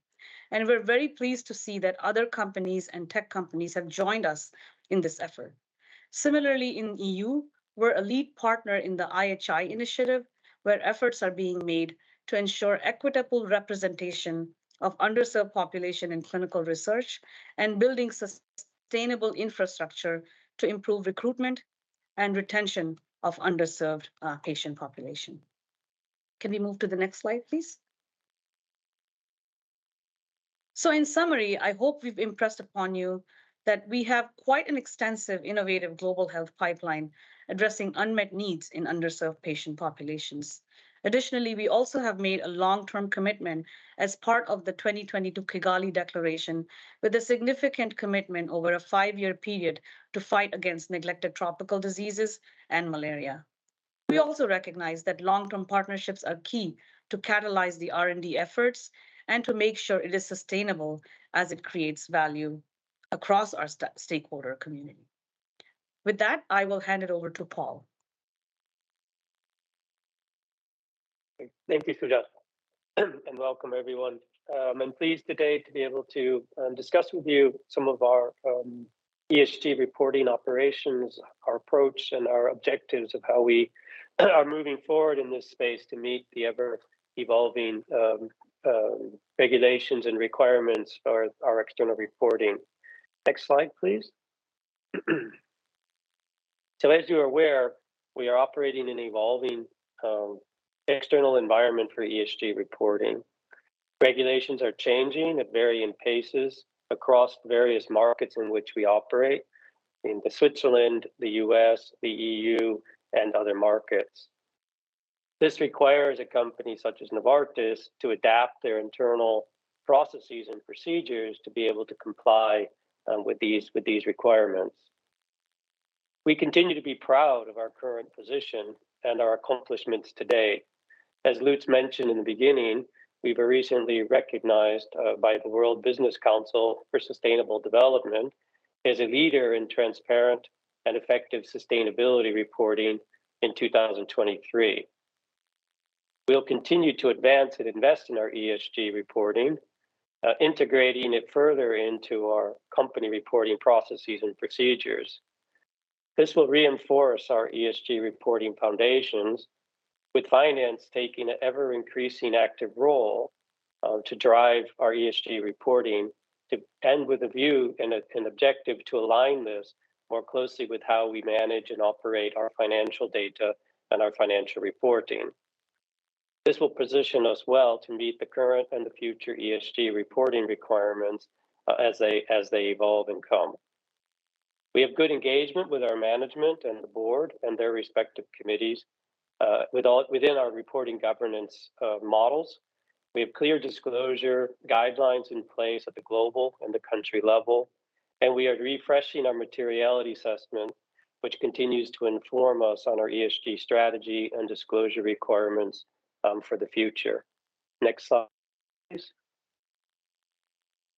We're very pleased to see that other companies and tech companies have joined us in this effort. Similarly, in EU, we're a lead partner in the IHI initiative, where efforts are being made to ensure equitable representation of underserved population in clinical research and building sustainable infrastructure to improve recruitment and retention of underserved patient population. Can we move to the next slide, please? In summary, I hope we've impressed upon you that we have quite an extensive, innovative Global Health pipeline addressing unmet needs in underserved patient populations. Additionally, we also have made a long-term commitment as part of the 2022 Kigali Declaration, with a significant commitment over a five-year period to fight against neglected tropical diseases and malaria. We also recognize that long-term partnerships are key to catalyze the R&D efforts and to make sure it is sustainable as it creates value across our stakeholder community. With that, I will hand it over to Paul. Thank you, Sujata, and welcome, everyone. I'm pleased today to be able to discuss with you some of our ESG reporting operations, our approach, and our objectives of how we are moving forward in this space to meet the ever-evolving regulations and requirements for our external reporting. Next slide, please. As you are aware, we are operating an evolving external environment for ESG reporting. Regulations are changing at varying paces across various markets in which we operate, in Switzerland, the U.S., the EU, and other markets. This requires a company such as Novartis to adapt their internal processes and procedures to be able to comply with these requirements. We continue to be proud of our current position and our accomplishments today. As Lutz mentioned in the beginning, we were recently recognized by the World Business Council for Sustainable Development as a leader in transparent and effective sustainability reporting in 2023. We'll continue to advance and invest in our ESG reporting, integrating it further into our company reporting processes and procedures. This will reinforce our ESG reporting foundations, with finance taking an ever-increasing active role to drive our ESG reporting, and with a view and an objective to align this more closely with how we manage and operate our financial data and our financial reporting. This will position us well to meet the current and the future ESG reporting requirements, as they evolve and come. We have good engagement with our management and the board and their respective committees, with all within our reporting governance models. We have clear disclosure guidelines in place at the global and the country level, and we are refreshing our materiality assessment, which continues to inform us on our ESG strategy and disclosure requirements for the future. Next slide, please.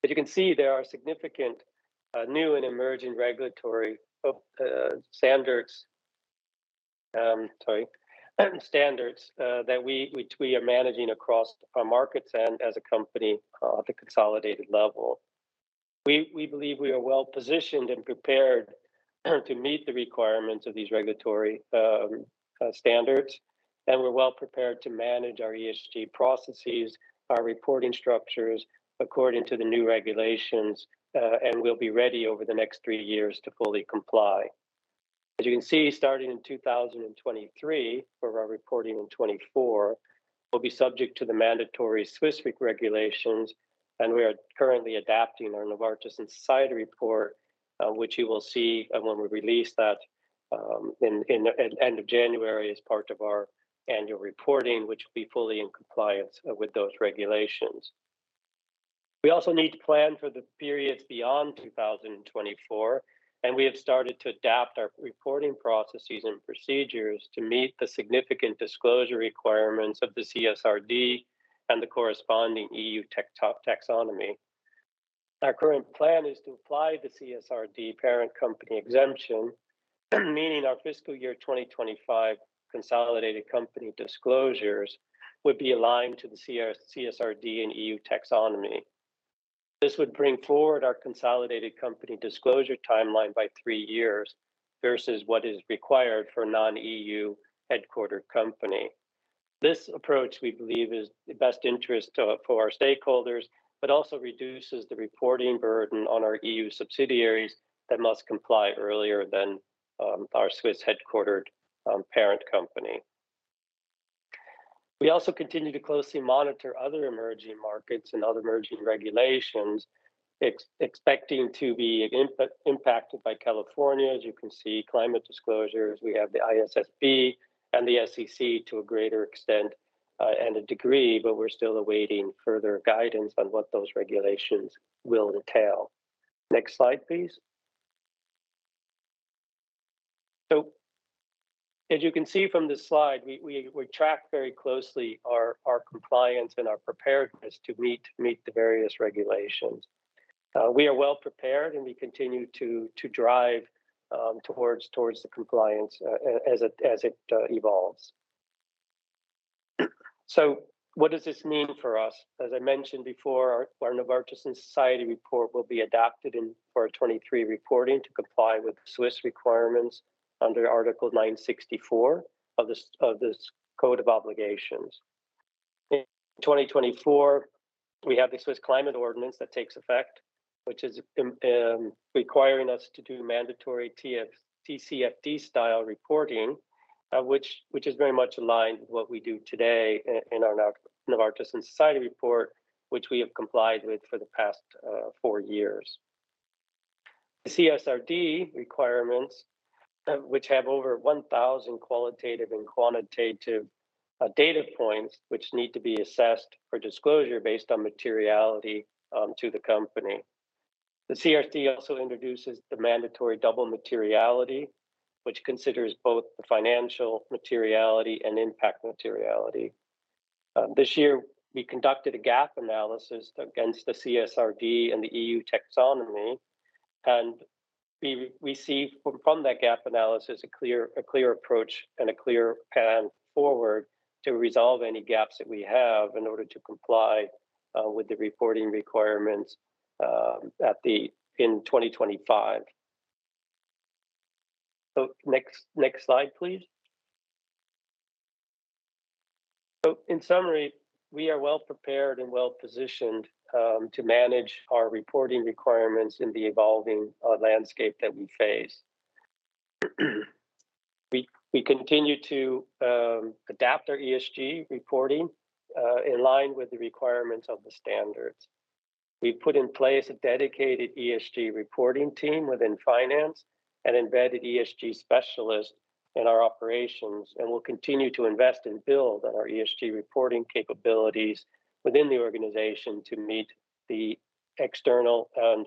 As you can see, there are significant new and emerging regulatory standards that which we are managing across our markets and as a company at the consolidated level. We believe we are well positioned and prepared to meet the requirements of these regulatory standards, and we're well prepared to manage our ESG processes, our reporting structures according to the new regulations, and we'll be ready over the next three years to fully comply. As you can see, starting in 2023, for our reporting in 2024, we'll be subject to the mandatory Swiss Code of Obligations regulations, and we are currently adapting our Novartis in Society report, which you will see, when we release that, in the end of January as part of our annual reporting, which will be fully in compliance with those regulations. We also need to plan for the periods beyond 2024, and we have started to adapt our reporting processes and procedures to meet the significant disclosure requirements of the CSRD and the corresponding EU taxonomy. Our current plan is to apply the CSRD parent company exemption, meaning our fiscal year 2025 consolidated company disclosures would be aligned to the CSRD and EU taxonomy. This would bring forward our consolidated company disclosure timeline by three years versus what is required for a non-EU-headquartered company. This approach, we believe, is the best interest for our stakeholders, but also reduces the reporting burden on our EU subsidiaries that must comply earlier than our Swiss-headquartered parent company. We also continue to closely monitor other emerging markets and other emerging regulations, expecting to be impacted by California. As you can see, climate disclosures, we have the ISSB and the SEC to a greater extent, and a degree, but we're still awaiting further guidance on what those regulations will entail. Next slide, please. So, as you can see from this slide, we track very closely our compliance and our preparedness to meet the various regulations. We are well prepared, and we continue to drive towards the compliance as it evolves. So what does this mean for us? As I mentioned before, our Novartis in Society report will be adopted in our 2023 reporting to comply with the Swiss requirements under Article 964 of the Code of Obligations. In 2024, we have the Swiss Climate Ordinance that takes effect, which is requiring us to do mandatory TCFD-style reporting, which is very much in line with what we do today in our Novartis in Society report, which we have complied with for the past four years. The CSRD requirements, which have over 1,000 qualitative and quantitative data points, which need to be assessed for disclosure based on materiality to the company. The CSRD also introduces the mandatory double materiality, which considers both the financial materiality and impact materiality. This year, we conducted a gap analysis against the CSRD and the EU taxonomy, and we see from that gap analysis a clear approach and a clear path forward to resolve any gaps that we have in order to comply with the reporting requirements in 2025. Next slide, please. In summary, we are well prepared and well-positioned to manage our reporting requirements in the evolving landscape that we face. We continue to adapt our ESG reporting in line with the requirements of the standards. We've put in place a dedicated ESG reporting team within finance and embedded ESG specialists in our operations, and we'll continue to invest and build on our ESG reporting capabilities within the organization to meet the external and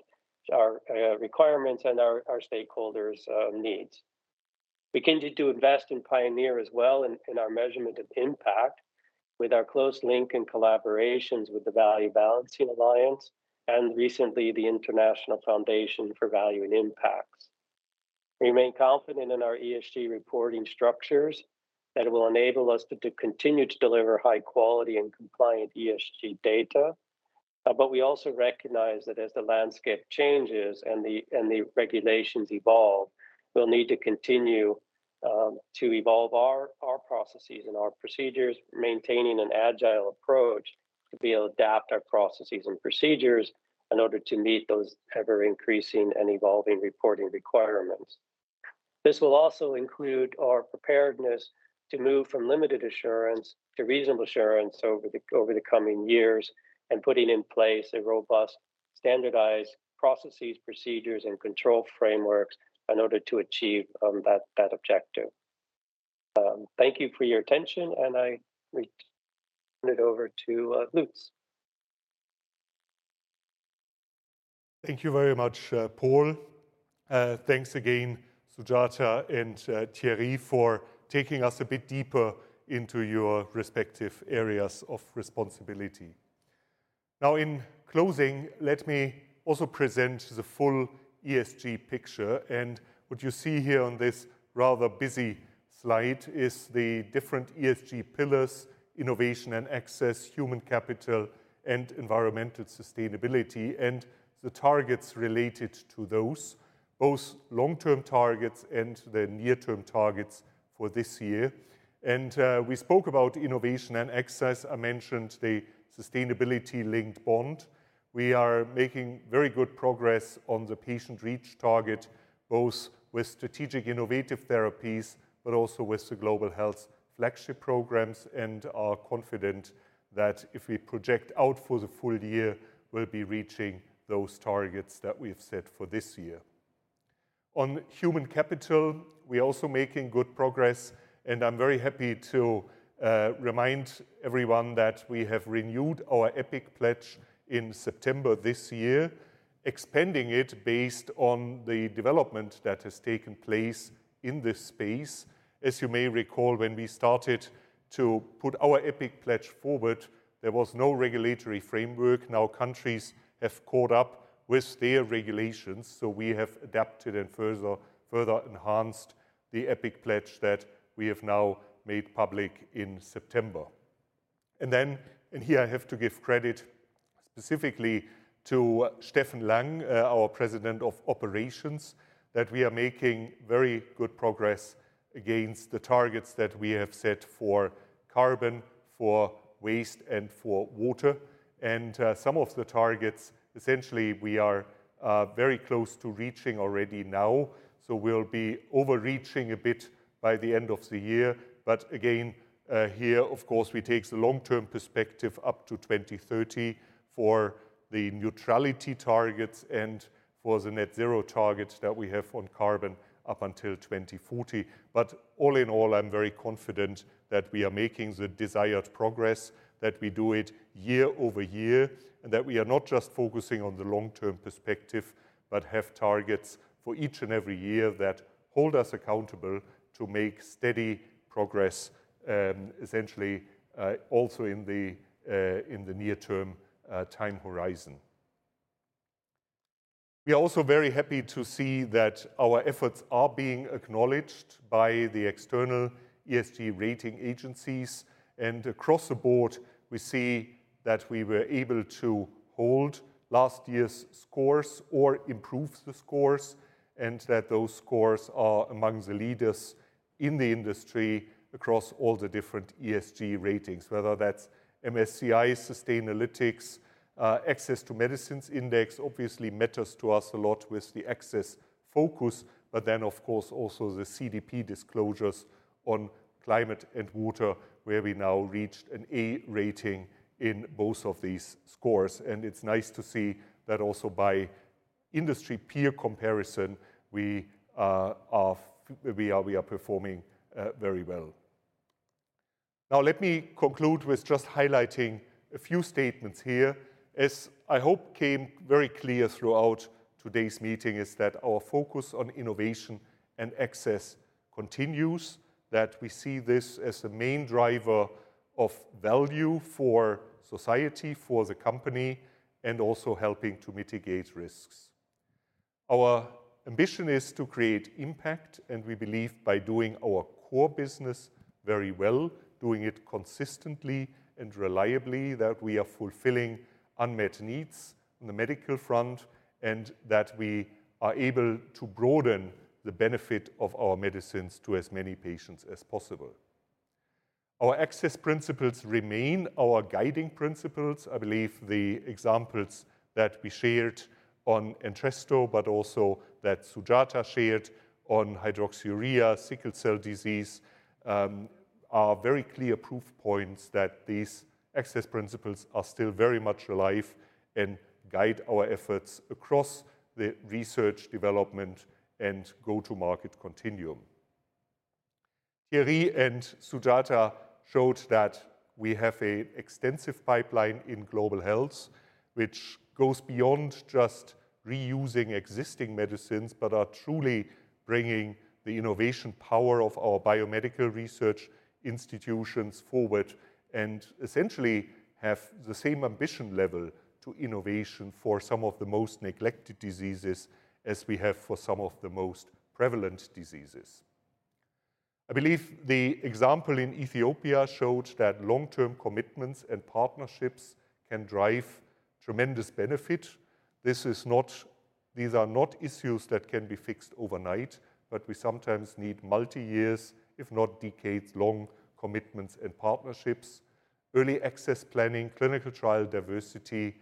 our, requirements and our, our stakeholders', needs. We continue to invest and pioneer as well in our measurement of impact with our close link and collaborations with the Value Balancing Alliance and recently, the International Foundation for Valuing Impacts. We remain confident in our ESG reporting structures that will enable us to, to continue to deliver high-quality and compliant ESG data. But we also recognize that as the landscape changes and the regulations evolve, we'll need to continue to evolve our processes and our procedures, maintaining an agile approach to be able to adapt our processes and procedures in order to meet those ever-increasing and evolving reporting requirements. This will also include our preparedness to move from limited assurance to reasonable assurance over the coming years, and putting in place a robust, standardized processes, procedures, and control frameworks in order to achieve that objective. Thank you for your attention, and I will turn it over to Lutz. Thank you very much, Paul. Thanks again, Sujata and Thierry, for taking us a bit deeper into your respective areas of responsibility. Now, in closing, let me also present the full ESG picture, and what you see here on this rather busy slide is the different ESG pillars: innovation and access, human capital, and environmental sustainability, and the targets related to those, both long-term targets and the near-term targets for this year. We spoke about innovation and access. I mentioned the sustainability-linked bond. We are making very good progress on the patient reach target, both with strategic innovative therapies, but also with the Global Health flagship programs, and are confident that if we project out for the full year, we'll be reaching those targets that we've set for this year. On human capital, we're also making good progress, and I'm very happy to remind everyone that we have renewed our EPIC pledge in September this year, expanding it based on the development that has taken place in this space. As you may recall, when we started to put our EPIC pledge forward, there was no regulatory framework. Now, countries have caught up with their regulations, so we have adapted and further enhanced the EPIC pledge that we have now made public in September. And then, here I have to give credit specifically to Steffen Lang, our President of Operations, that we are making very good progress against the targets that we have set for carbon, for waste, and for water. Some of the targets, essentially, we are very close to reaching already now, so we'll be overreaching a bit by the end of the year. Again, here, of course, we take the long-term perspective up to 2030 for the neutrality targets and for the net-zero targets that we have on carbon up until 2040. All in all, I'm very confident that we are making the desired progress, that we do it year-over-year, and that we are not just focusing on the long-term perspective, but have targets for each and every year that hold us accountable to make steady progress, essentially, also in the near-term time horizon. We are also very happy to see that our efforts are being acknowledged by the external ESG rating agencies. Across the board, we see that we were able to hold last year's scores or improve the scores, and that those scores are among the leaders in the industry across all the different ESG ratings. Whether that's MSCI, Sustainalytics, Access to Medicine Index obviously matters to us a lot with the access focus, but then, of course, also the CDP disclosures on climate and water, where we now reached an A rating in both of these scores. It's nice to see that also by industry peer comparison, we are performing very well. Now let me conclude with just highlighting a few statements here. As I hope came very clear throughout today's meeting, is that our focus on innovation and access continues, that we see this as the main driver of value for society, for the company, and also helping to mitigate risks. Our ambition is to create impact, and we believe by doing our core business very well, doing it consistently and reliably, that we are fulfilling unmet needs on the medical front, and that we are able to broaden the benefit of our medicines to as many patients as possible. Our Access Principles remain our guiding principles. I believe the examples that we shared on Entresto, but also that Sujata shared on hydroxyurea, sickle cell disease, are very clear proof points that these Access Principles are still very much alive and guide our efforts across the research, development, and go-to-market continuum. Thierry and Sujata showed that we have an extensive pipeline in Global Health, which goes beyond just reusing existing medicines, but are truly bringing the innovation power of our biomedical research institutions forward, and essentially have the same ambition level to innovation for some of the most neglected diseases as we have for some of the most prevalent diseases. I believe the example in Ethiopia showed that long-term commitments and partnerships can drive tremendous benefits. This is not—these are not issues that can be fixed overnight, but we sometimes need multi-years, if not decades long, commitments and partnerships. Early access planning, clinical trial diversity,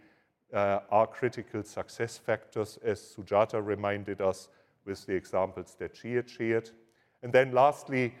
are critical success factors, as Sujata reminded us with the examples that she had shared. And then lastly,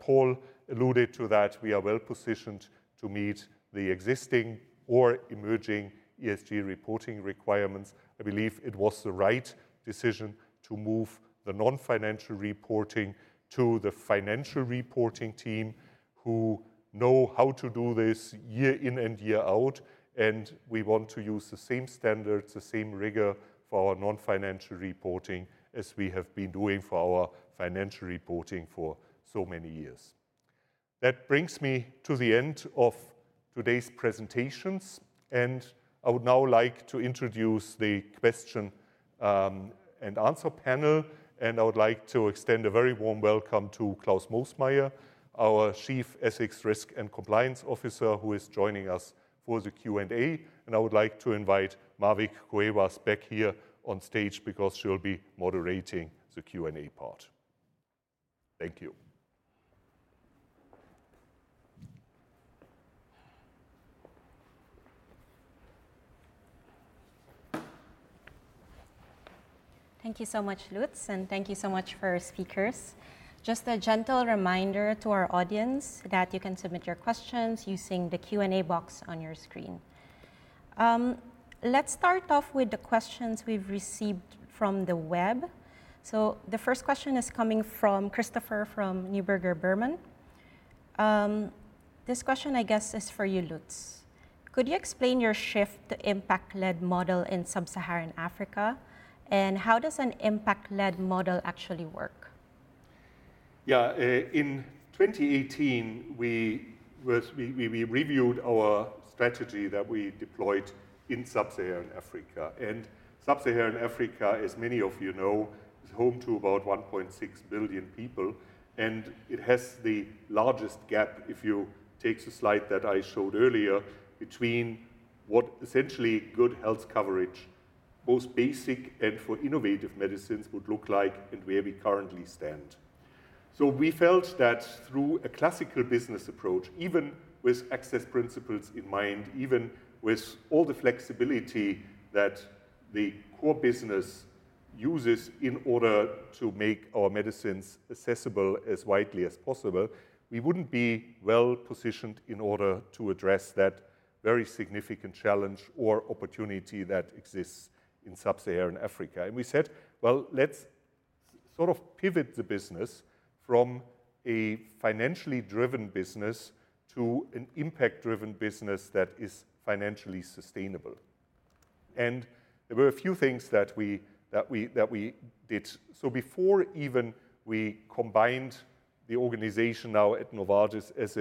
Paul alluded to that, we are well positioned to meet the existing or emerging ESG reporting requirements. I believe it was the right decision to move the non-financial reporting to the financial reporting team, who know how to do this year in and year out, and we want to use the same standards, the same rigor for our non-financial reporting as we have been doing for our financial reporting for so many years. That brings me to the end of today's presentations, and I would now like to introduce the question and answer panel, and I would like to extend a very warm welcome to Klaus Moosmayer, our Chief Ethics, Risk and Compliance Officer, who is joining us for the Q&A. I would like to invite Mavic Cuevas back here on stage because she'll be moderating the Q&A part. Thank you. Thank you so much, Lutz, and thank you so much for our speakers. Just a gentle reminder to our audience that you can submit your questions using the Q&A box on your screen. Let's start off with the questions we've received from the web. So the first question is coming from Christopher, from Neuberger Berman. This question, I guess, is for you, Lutz. Could you explain your shift to impact-led model in sub-Saharan Africa, and how does an impact-led model actually work? Yeah. In 2018, we reviewed our strategy that we deployed in Sub-Saharan Africa. Sub-Saharan Africa, as many of you know, is home to about 1.6 billion people, and it has the largest gap, if you take the slide that I showed earlier, between what essentially good health coverage, most basic and for innovative medicines, would look like and where we currently stand. So we felt that through a classical business approach, even with Access Principles in mind, even with all the flexibility that the core business uses in order to make our medicines accessible as widely as possible, we wouldn't be well-positioned in order to address that very significant challenge or opportunity that exists in Sub-Saharan Africa. We said, "Well, let's sort of pivot the business from a financially driven business to an impact-driven business that is financially sustainable." There were a few things that we did. So, before even we combined the organization now at Novartis as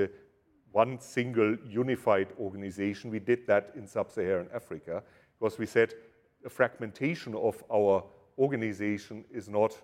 one single unified organization, we did that in Sub-Saharan Africa, because we said the fragmentation of our organization is not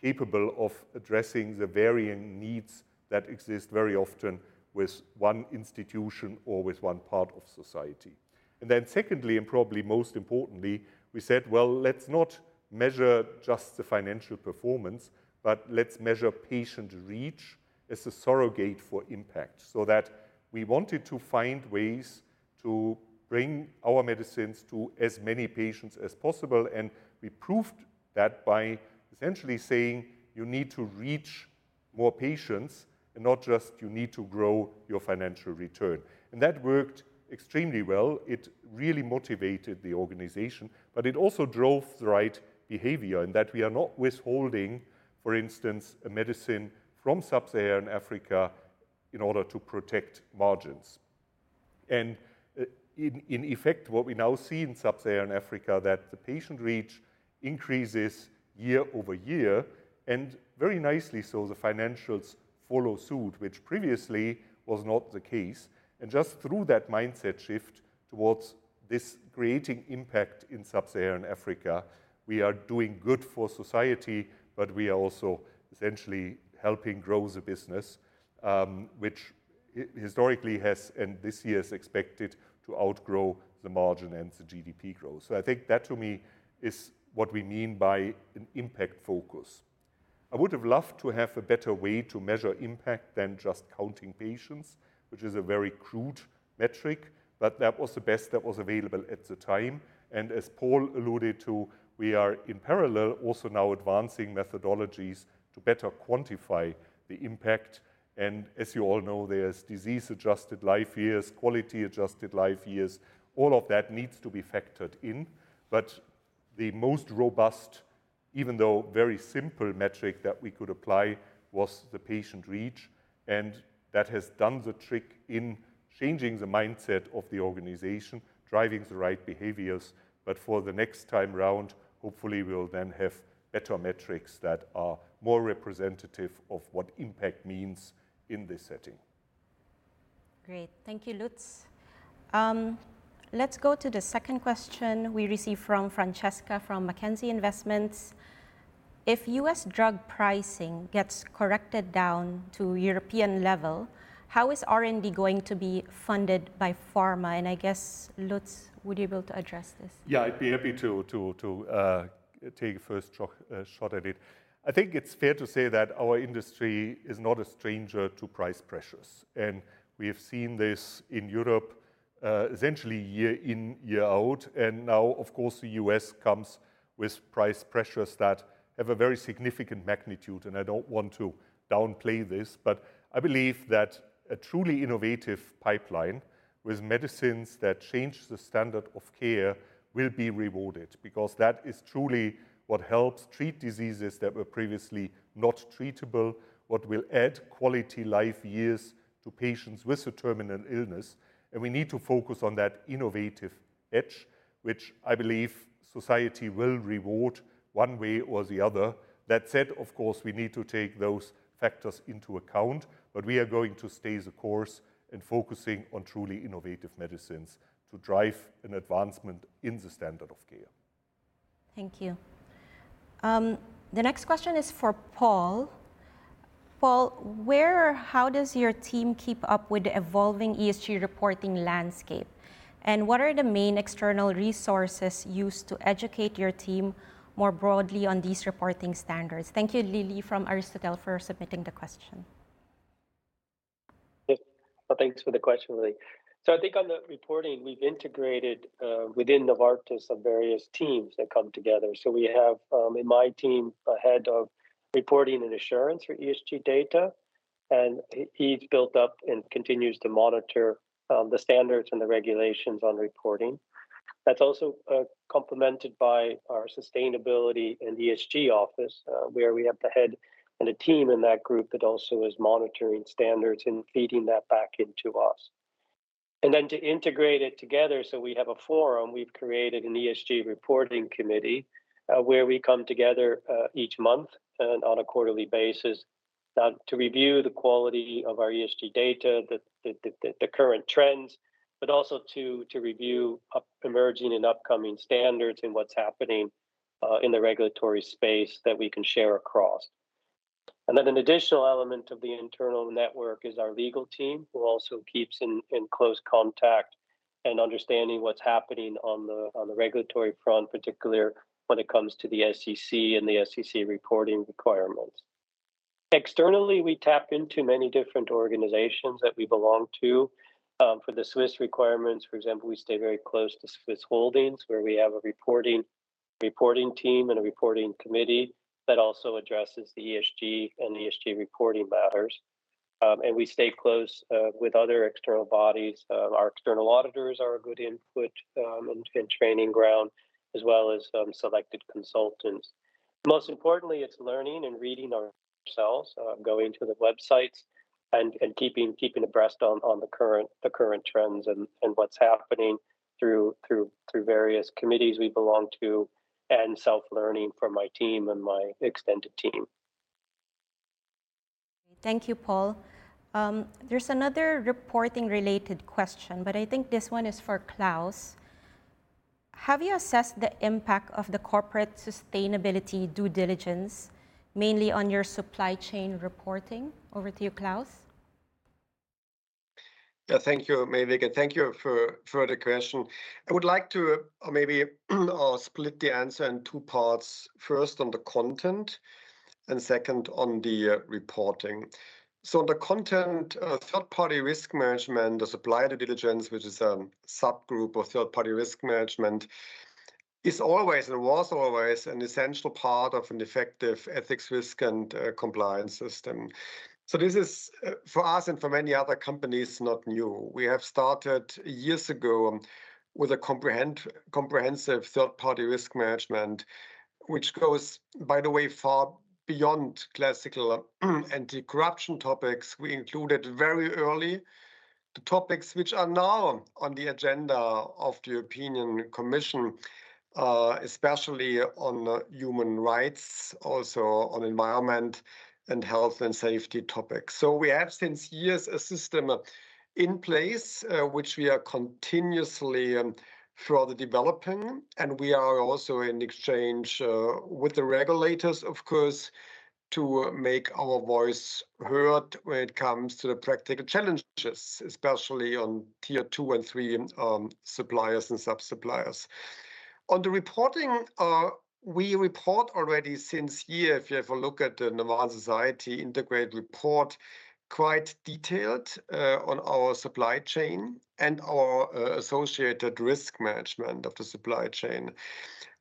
capable of addressing the varying needs that exist very often with one institution or with one part of society. And then secondly, and probably most importantly, we said, "Well, let's not measure just the financial performance, but let's measure patient reach as a surrogate for impact." So that we wanted to find ways to bring our medicines to as many patients as possible, and we proved that by essentially saying, "You need to reach more patients and not just you need to grow your financial return." And that worked extremely well. It really motivated the organization, but it also drove the right behavior, in that we are not withholding, for instance, a medicine from Sub-Saharan Africa in order to protect margins. And in effect, what we now see in Sub-Saharan Africa, that the patient reach increases year-over-year, and very nicely so the financials follow suit, which previously was not the case. And just through that mindset shift towards this creating impact in Sub-Saharan Africa, we are doing good for society, but we are also essentially helping grow the business, which historically has, and this year is expected to outgrow the margin and the GDP growth. So I think that, to me, is what we mean by an impact focus. I would have loved to have a better way to measure impact than just counting patients, which is a very crude metric, but that was the best that was available at the time. As Paul alluded to, we are in parallel also now advancing methodologies to better quantify the impact. And as you all know, there's disease-adjusted life years, quality-adjusted life years. All of that needs to be factored in. The most robust, even though very simple metric that we could apply, was the patient reach, and that has done the trick in changing the mindset of the organization, driving the right behaviors. For the next time around, hopefully we'll then have better metrics that are more representative of what impact means in this setting. Great. Thank you, Lutz. Let's go to the second question we received from Francesca, from Mackenzie Investments: If U.S. drug pricing gets corrected down to European level, how is R&D going to be funded by pharma? And I guess, Lutz, would you be able to address this? Yeah, I'd be happy to take a first shot at it. I think it's fair to say that our industry is not a stranger to price pressures, and we have seen this in Europe, essentially year in, year out. And now, of course, the U.S. comes with price pressures that have a very significant magnitude, and I don't want to downplay this. But I believe that a truly innovative pipeline with medicines that change the standard of care will be rewarded, because that is truly what helps treat diseases that were previously not treatable, what will add quality life years to patients with a terminal illness. And we need to focus on that innovative edge, which I believe society will reward one way or the other. That said, of course, we need to take those factors into account, but we are going to stay the course in focusing on truly innovative medicines to drive an advancement in the standard of care. Thank you. The next question is for Paul. Paul, where or how does your team keep up with the evolving ESG reporting landscape? And what are the main external resources used to educate your team more broadly on these reporting standards? Thank you, Lily, from Aristotle, for submitting the question. Yep. Well, thanks for the question, Lily. So I think on the reporting, we've integrated within Novartis the various teams that come together. So we have in my team a head of reporting and assurance for ESG data, and he, he's built up and continues to monitor the standards and the regulations on reporting. That's also complemented by our sustainability and ESG office, where we have the head and a team in that group that also is monitoring standards and feeding that back into us. And then to integrate it together, so we have a forum, we've created an ESG reporting committee, where we come together each month and on a quarterly basis to review the quality of our ESG data, the current trends, but also to review emerging and upcoming standards and what's happening in the regulatory space that we can share across. And then an additional element of the internal network is our legal team, who also keeps in close contact and understanding what's happening on the regulatory front, particularly when it comes to the SEC and the SEC reporting requirements. Externally, we tap into many different organizations that we belong to. For the Swiss requirements, for example, we stay very close to SwissHoldings, where we have a reporting team and a reporting committee that also addresses the ESG and ESG reporting matters. And we stay close with other external bodies. Our external auditors are a good input and training ground, as well as selected consultants. Most importantly, it's learning and reading ourselves, going to the websites and keeping abreast on the current trends and what's happening through various committees we belong to, and self-learning from my team and my extended team. Thank you, Paul. There's another reporting-related question, but I think this one is for Klaus. Have you assessed the impact of the corporate sustainability due diligence, mainly on your supply chain reporting? Over to you, Klaus. Yeah, thank you, Mavic, and thank you for, for the question. I would like to, maybe, split the answer in two parts, first on the content and second on the reporting. So on the content, third-party risk management, the supplier due diligence, which is a subgroup of third-party risk management, is always and was always an essential part of an effective ethics risk and compliance system. So this is, for us and for many other companies, not new. We have started years ago, with a comprehensive third-party risk management, which goes, by the way, far beyond classical anti-corruption topics. We included very early the topics which are now on the agenda of the European Commission, especially on, human rights, also on environment, and health, and safety topics. So we have since years a system in place, which we are continuously further developing, and we are also in exchange with the regulators, of course, to make our voice heard when it comes to the practical challenges, especially on Tier 2 and 3, suppliers and sub-suppliers. On the reporting, we report already since year, if you have a look at the Novartis in Society integrated report, quite detailed on our supply chain and our associated risk management of the supply chain.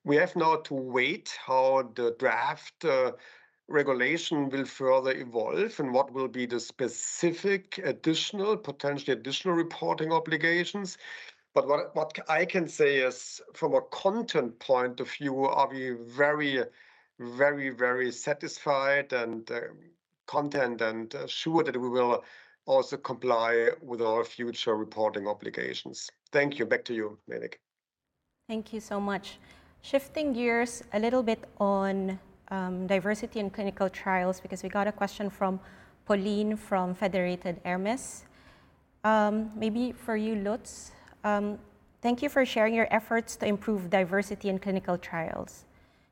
We have now to wait how the draft regulation will further evolve and what will be the specific additional, potentially additional reporting obligations. But what, what I can say is, from a content point of view, are we very, very, very satisfied and content and sure that we will also comply with our future reporting obligations. Thank you. Back to you, Mavic. Thank you so much. Shifting gears a little bit on, diversity in clinical trials, because we got a question from Pauline from Federated Hermes. Maybe for you, Lutz. Thank you for sharing your efforts to improve diversity in clinical trials.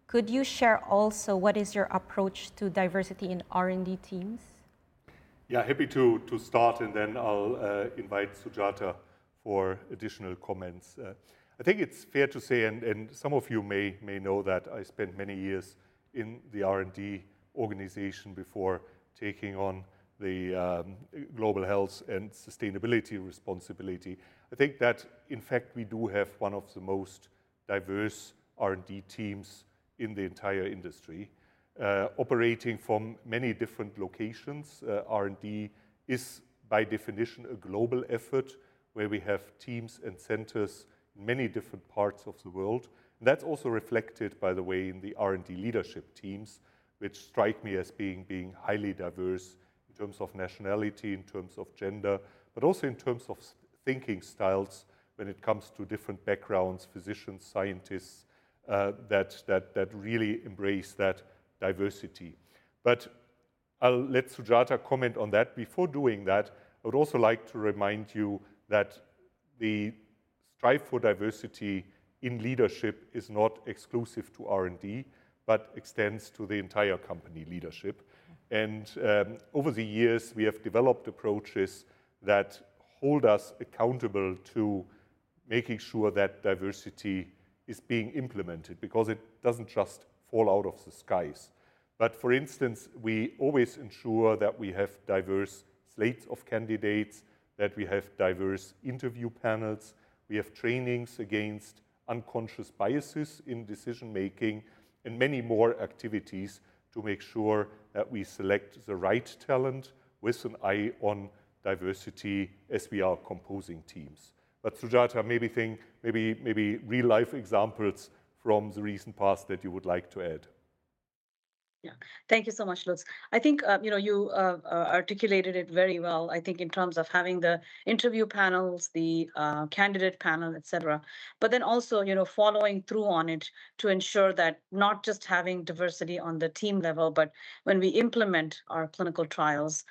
Could you share also what is your approach to diversity in R&D teams? Yeah, happy to start, and then I'll invite Sujata for additional comments. I think it's fair to say, and some of you may know that I spent many years in the R&D organization before taking on the Global Health and Sustainability responsibility. I think that, in fact, we do have one of the most diverse R&D teams in the entire industry, operating from many different locations. R&D is, by definition, a global effort, where we have teams and centers in many different parts of the world. That's also reflected, by the way, in the R&D leadership teams, which strike me as being highly diverse in terms of nationality, in terms of gender, but also in terms of thinking styles when it comes to different backgrounds, physicians, scientists, that really embrace that diversity. But I'll let Sujata comment on that. Before doing that, I would also like to remind you that the drive for diversity in leadership is not exclusive to R&D, but extends to the entire company leadership. And over the years, we have developed approaches that hold us accountable to making sure that diversity is being implemented, because it doesn't just fall out of the skies. But for instance, we always ensure that we have diverse slates of candidates, that we have diverse interview panels, we have trainings against unconscious biases in decision-making, and many more activities to make sure that we select the right talent with an eye on diversity as we are composing teams. But Sujata, maybe real-life examples from the recent past that you would like to add. Yeah. Thank you so much, Lutz. I think, you know, you articulated it very well, I think in terms of having the interview panels, the candidate panel, et cetera. But then also, you know, following through on it to ensure that not just having diversity on the team level, but when we implement our clinical trials,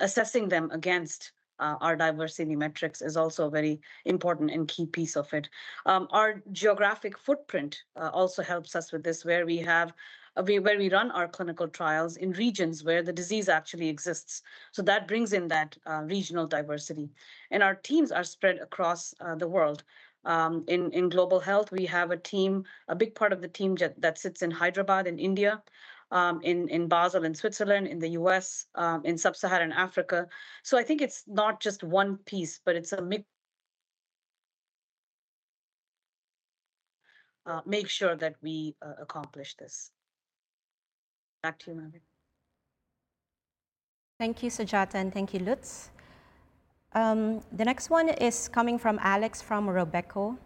assessing them against our diversity metrics is also a very important and key piece of it. Our geographic footprint also helps us with this, where we have where we run our clinical trials in regions where the disease actually exists. So that brings in that regional diversity. And our teams are spread across the world. In Global Health, we have a team, a big part of the team that sits in Hyderabad, in India, in Basel, in Switzerland, in the U.S., in sub-Saharan Africa. So I think it's not just one piece, but it's a mix to make sure that we accomplish this. Back to you, Mavic. Thank you, Sujata, and thank you, Lutz. The next one is coming from Alex, from Robeco: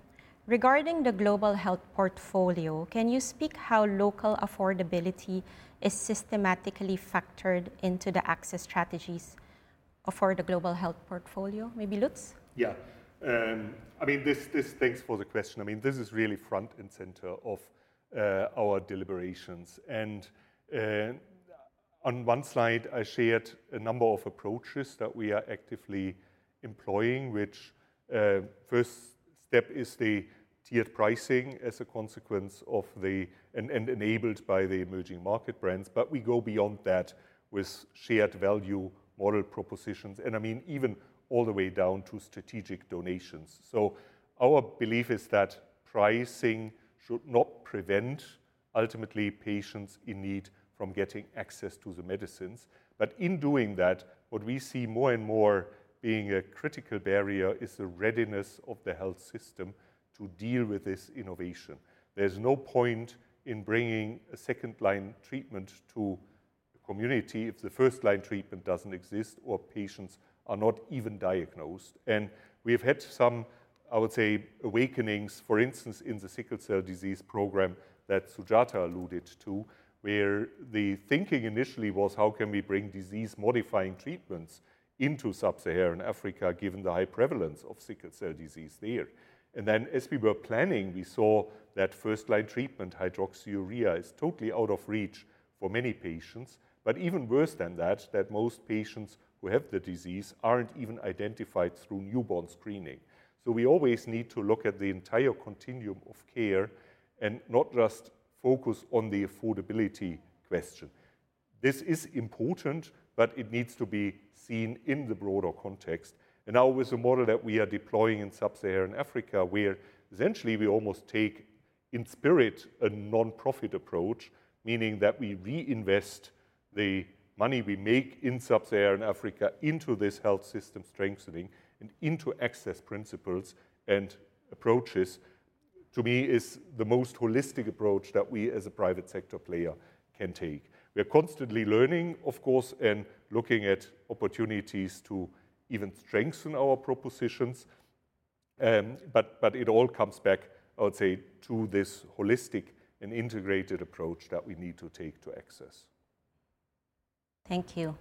Regarding the Global Health portfolio, can you speak how local affordability is systematically factored into the access strategies?... for the Global Health portfolio, maybe Lutz? Yeah. I mean, this- thanks for the question. I mean, this is really front and center of our deliberations. And on one slide, I shared a number of approaches that we are actively employing, which first step, is the tiered pricing as a consequence of the, and enabled by the emerging market brands. But we go beyond that with shared value model propositions, and I mean, even all the way down to strategic donations. So our belief is that pricing should not prevent, ultimately, patients in need from getting access to the medicines. But in doing that, what we see more and more being a critical barrier is the readiness of the health system to deal with this innovation. There's no point in bringing a second-line treatment to the community if the first-line treatment doesn't exist or patients are not even diagnosed. We've had some, I would say, awakenings, for instance, in the sickle cell disease program that Sujata alluded to, where the thinking initially was: how can we bring disease-modifying treatments into Sub-Saharan Africa, given the high prevalence of sickle cell disease there? Then, as we were planning, we saw that first-line treatment, hydroxyurea, is totally out of reach for many patients, but even worse than that most patients who have the disease aren't even identified through newborn screening. We always need to look at the entire continuum of care and not just focus on the affordability question. This is important, but it needs to be seen in the broader context. And now with the model that we are deploying in Sub-Saharan Africa, where essentially we almost take, in spirit, a nonprofit approach, meaning that we reinvest the money we make in Sub-Saharan Africa into this health system strengthening and into Access Principles and approaches, to me is the most holistic approach that we, as a private sector player, can take. We are constantly learning, of course, and looking at opportunities to even strengthen our propositions. But it all comes back, I would say, to this holistic and integrated approach that we need to take to access. Thank you.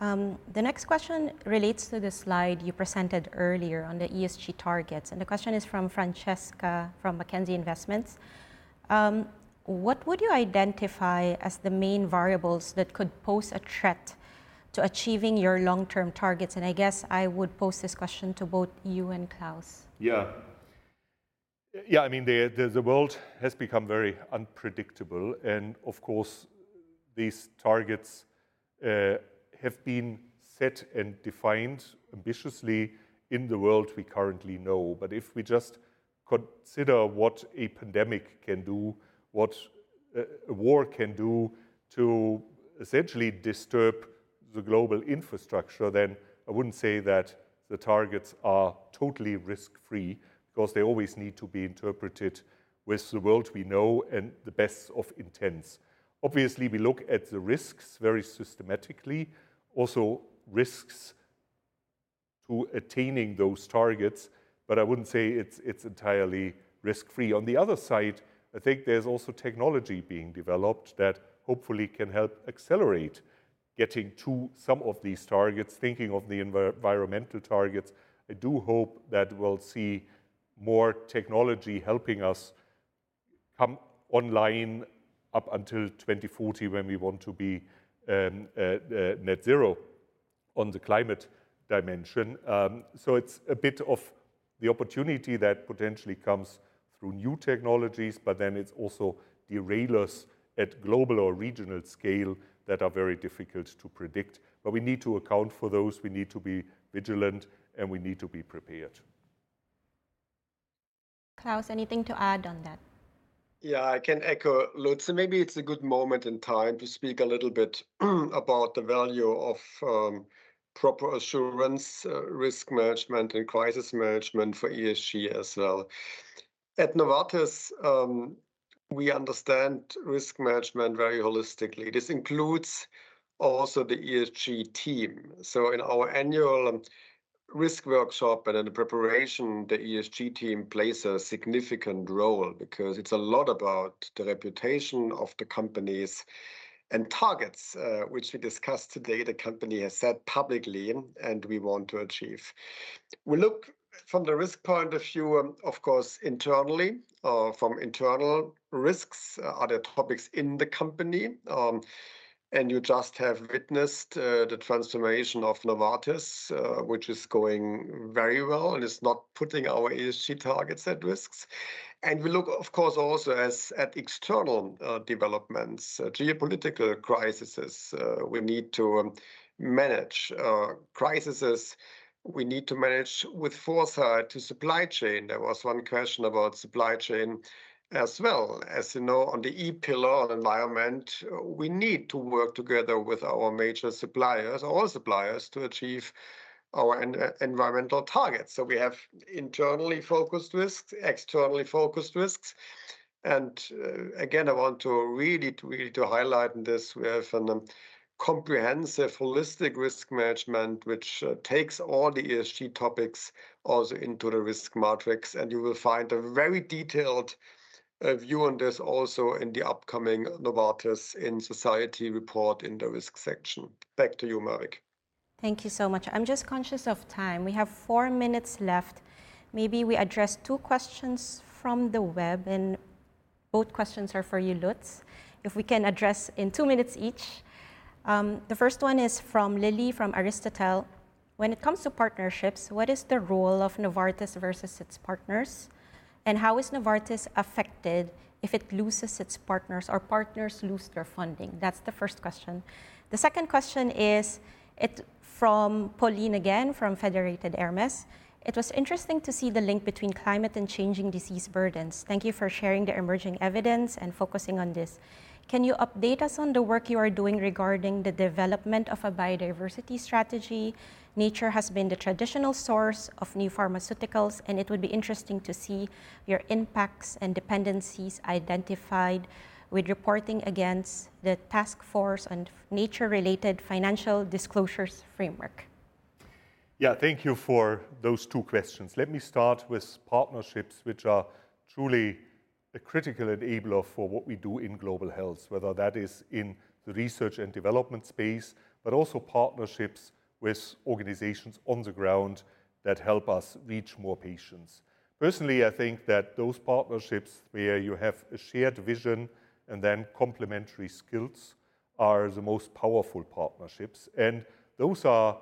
The next question relates to the slide you presented earlier on the ESG targets, and the question is from Francesca, from Mackenzie Investments: What would you identify as the main variables that could pose a threat to achieving your long-term targets? And I guess I would pose this question to both you and Klaus. Yeah. Yeah, I mean, the world has become very unpredictable, and of course, these targets have been set and defined ambitiously in the world we currently know. But if we just consider what a pandemic can do, what a war can do to essentially disturb the global infrastructure, then I wouldn't say that the targets are totally risk-free, because they always need to be interpreted with the world we know and the best of intents. Obviously, we look at the risks very systematically, also risks to attaining those targets, but I wouldn't say it's entirely risk-free. On the other side, I think there's also technology being developed that hopefully can help accelerate getting to some of these targets. Thinking of the environmental targets, I do hope that we'll see more technology helping us come online up until 2040, when we want to be net zero on the climate dimension. So it's a bit of the opportunity that potentially comes through new technologies, but then it's also derailers at global or regional scale that are very difficult to predict. But we need to account for those, we need to be vigilant, and we need to be prepared. Klaus, anything to add on that? Yeah, I can echo Lutz, and maybe it's a good moment in time to speak a little bit about the value of proper assurance, risk management, and crisis management for ESG as well. At Novartis, we understand risk management very holistically. This includes also the ESG team. So in our annual risk workshop and in the preparation, the ESG team plays a significant role because it's a lot about the reputation of the companies and targets which we discussed today, the company has said publicly, and we want to achieve. We look from the risk point of view, of course, internally, from internal risks, other topics in the company, and you just have witnessed the transformation of Novartis, which is going very well and is not putting our ESG targets at risk. We look, of course, also at external developments, geopolitical crises, we need to manage crises with foresight to supply chain. There was one question about supply chain as well. As you know, on the E pillar on environment, we need to work together with our major suppliers, all suppliers, to achieve our environmental targets. So we have internally focused risks, externally focused risks, and, again, I want to really, really highlight this, we have a comprehensive, holistic risk management, which takes all the ESG topics also into the risk matrix, and you will find a very detailed view on this also in the upcoming Novartis in Society report, in the risk section. Back to you, Mavic. Thank you so much. I'm just conscious of time. We have four minutes left. Maybe we address two questions from the web, and both questions are for you, Lutz. If we can address in two minutes each. The first one is from Lily from Aristotle: "When it comes to partnerships, what is the role of Novartis versus its partners, and how is Novartis affected if it loses its partners or partners lose their funding?" That's the first question. The second question is, it's from Pauline, again, from Federated Hermes: "It was interesting to see the link between climate and changing disease burdens. Thank you for sharing the emerging evidence and focusing on this. Can you update us on the work you are doing regarding the development of a biodiversity strategy? Nature has been the traditional source of new pharmaceuticals, and it would be interesting to see your impacts and dependencies identified with reporting against the Taskforce on Nature-related Financial Disclosures framework. Yeah. Thank you for those two questions. Let me start with partnerships, which are truly a critical enabler for what we do in Global Health, whether that is in the research and development space, but also partnerships with organizations on the ground that help us reach more patients. Personally, I think that those partnerships where you have a shared vision and then complementary skills are the most powerful partnerships, and those are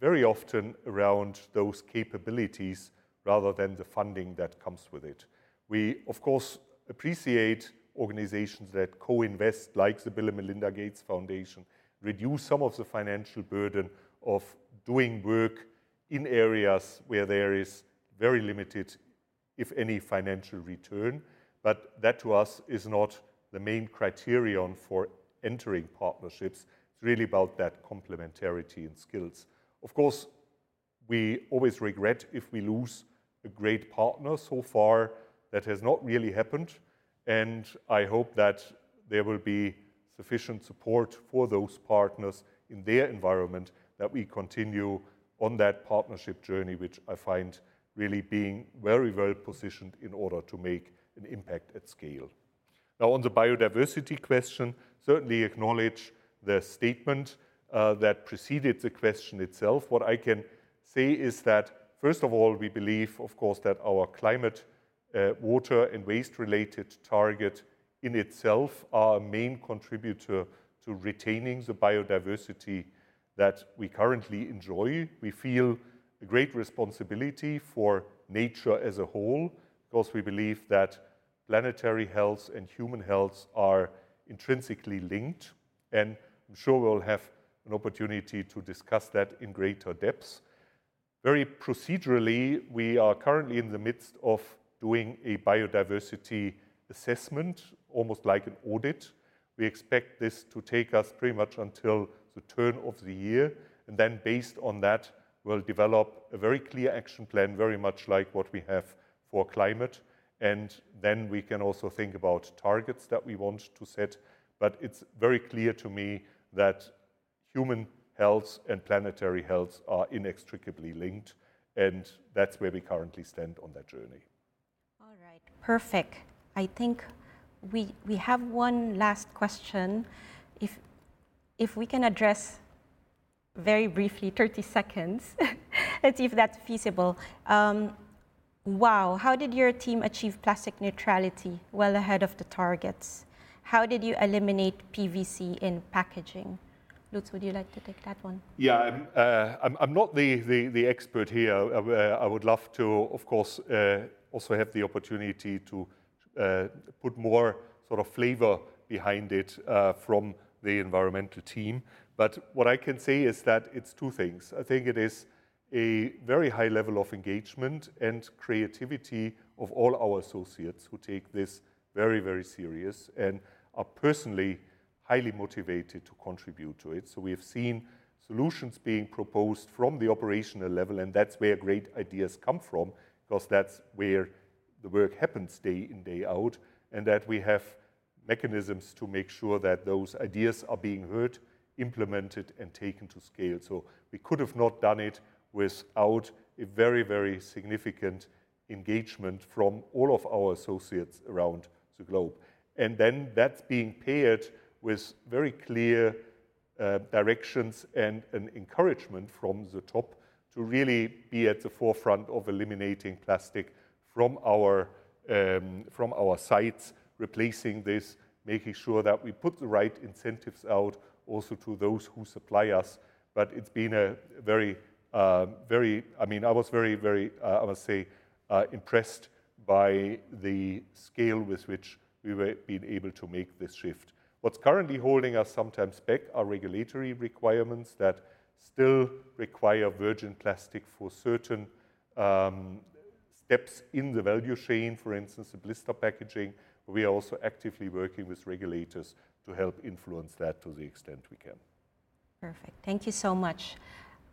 very often around those capabilities rather than the funding that comes with it. We, of course, appreciate organizations that co-invest, like the Bill & Melinda Gates Foundation, reduce some of the financial burden of doing work in areas where there is very limited, if any, financial return. But that, to us, is not the main criterion for entering partnerships. It's really about that complementarity and skills. Of course, we always regret if we lose a great partner. So far, that has not really happened, and I hope that there will be sufficient support for those partners in their environment, that we continue on that partnership journey, which I find really being very, very positioned in order to make an impact at scale. Now, on the biodiversity question, certainly acknowledge the statement that preceded the question itself. What I can say is that, first of all, we believe, of course, that our climate, water, and waste-related target in itself are a main contributor to retaining the biodiversity that we currently enjoy. We feel a great responsibility for nature as a whole 'cause we believe that planetary health and human health are intrinsically linked, and I'm sure we'll have an opportunity to discuss that in greater depth. Very procedurally, we are currently in the midst of doing a biodiversity assessment, almost like an audit. We expect this to take us pretty much until the turn of the year, and then based on that, we'll develop a very clear action plan, very much like what we have for climate. Then we can also think about targets that we want to set. But it's very clear to me that human health and planetary health are inextricably linked, and that's where we currently stand on that journey. All right. Perfect. I think we, we have one last question. If, if we can address very briefly, 30 seconds, if that's feasible. Wow, "How did your team achieve plastic neutrality well ahead of the targets? How did you eliminate PVC in packaging?" Lutz, would you like to take that one? Yeah. I'm not the expert here. I would love to, of course, also have the opportunity to put more sort of flavor behind it from the environmental team. But what I can say is that it's two things. I think it is a very high level of engagement and creativity of all our associates, who take this very, very serious and are personally highly motivated to contribute to it. So we have seen solutions being proposed from the operational level, and that's where great ideas come from, 'cause that's where the work happens day in, day out, and that we have mechanisms to make sure that those ideas are being heard, implemented, and taken to scale. So we could have not done it without a very, very significant engagement from all of our associates around the globe. And then that's being paired with very clear directions and an encouragement from the top to really be at the forefront of eliminating plastic from our sites, replacing this, making sure that we put the right incentives out also to those who supply us. But it's been a very, very—I mean, I was very, very, I must say, impressed by the scale with which we were been able to make this shift. What's currently holding us sometimes back are regulatory requirements that still require virgin plastic for certain steps in the value chain, for instance, the blister packaging. We are also actively working with regulators to help influence that to the extent we can. Perfect. Thank you so much.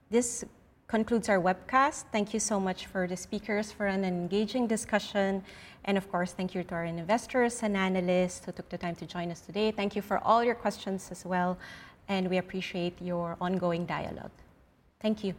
This concludes our webcast. Thank you so much for the speakers for an engaging discussion, and of course, thank you to our investors and analysts who took the time to join us today. Thank you for all your questions as well, and we appreciate your ongoing dialogue. Thank you.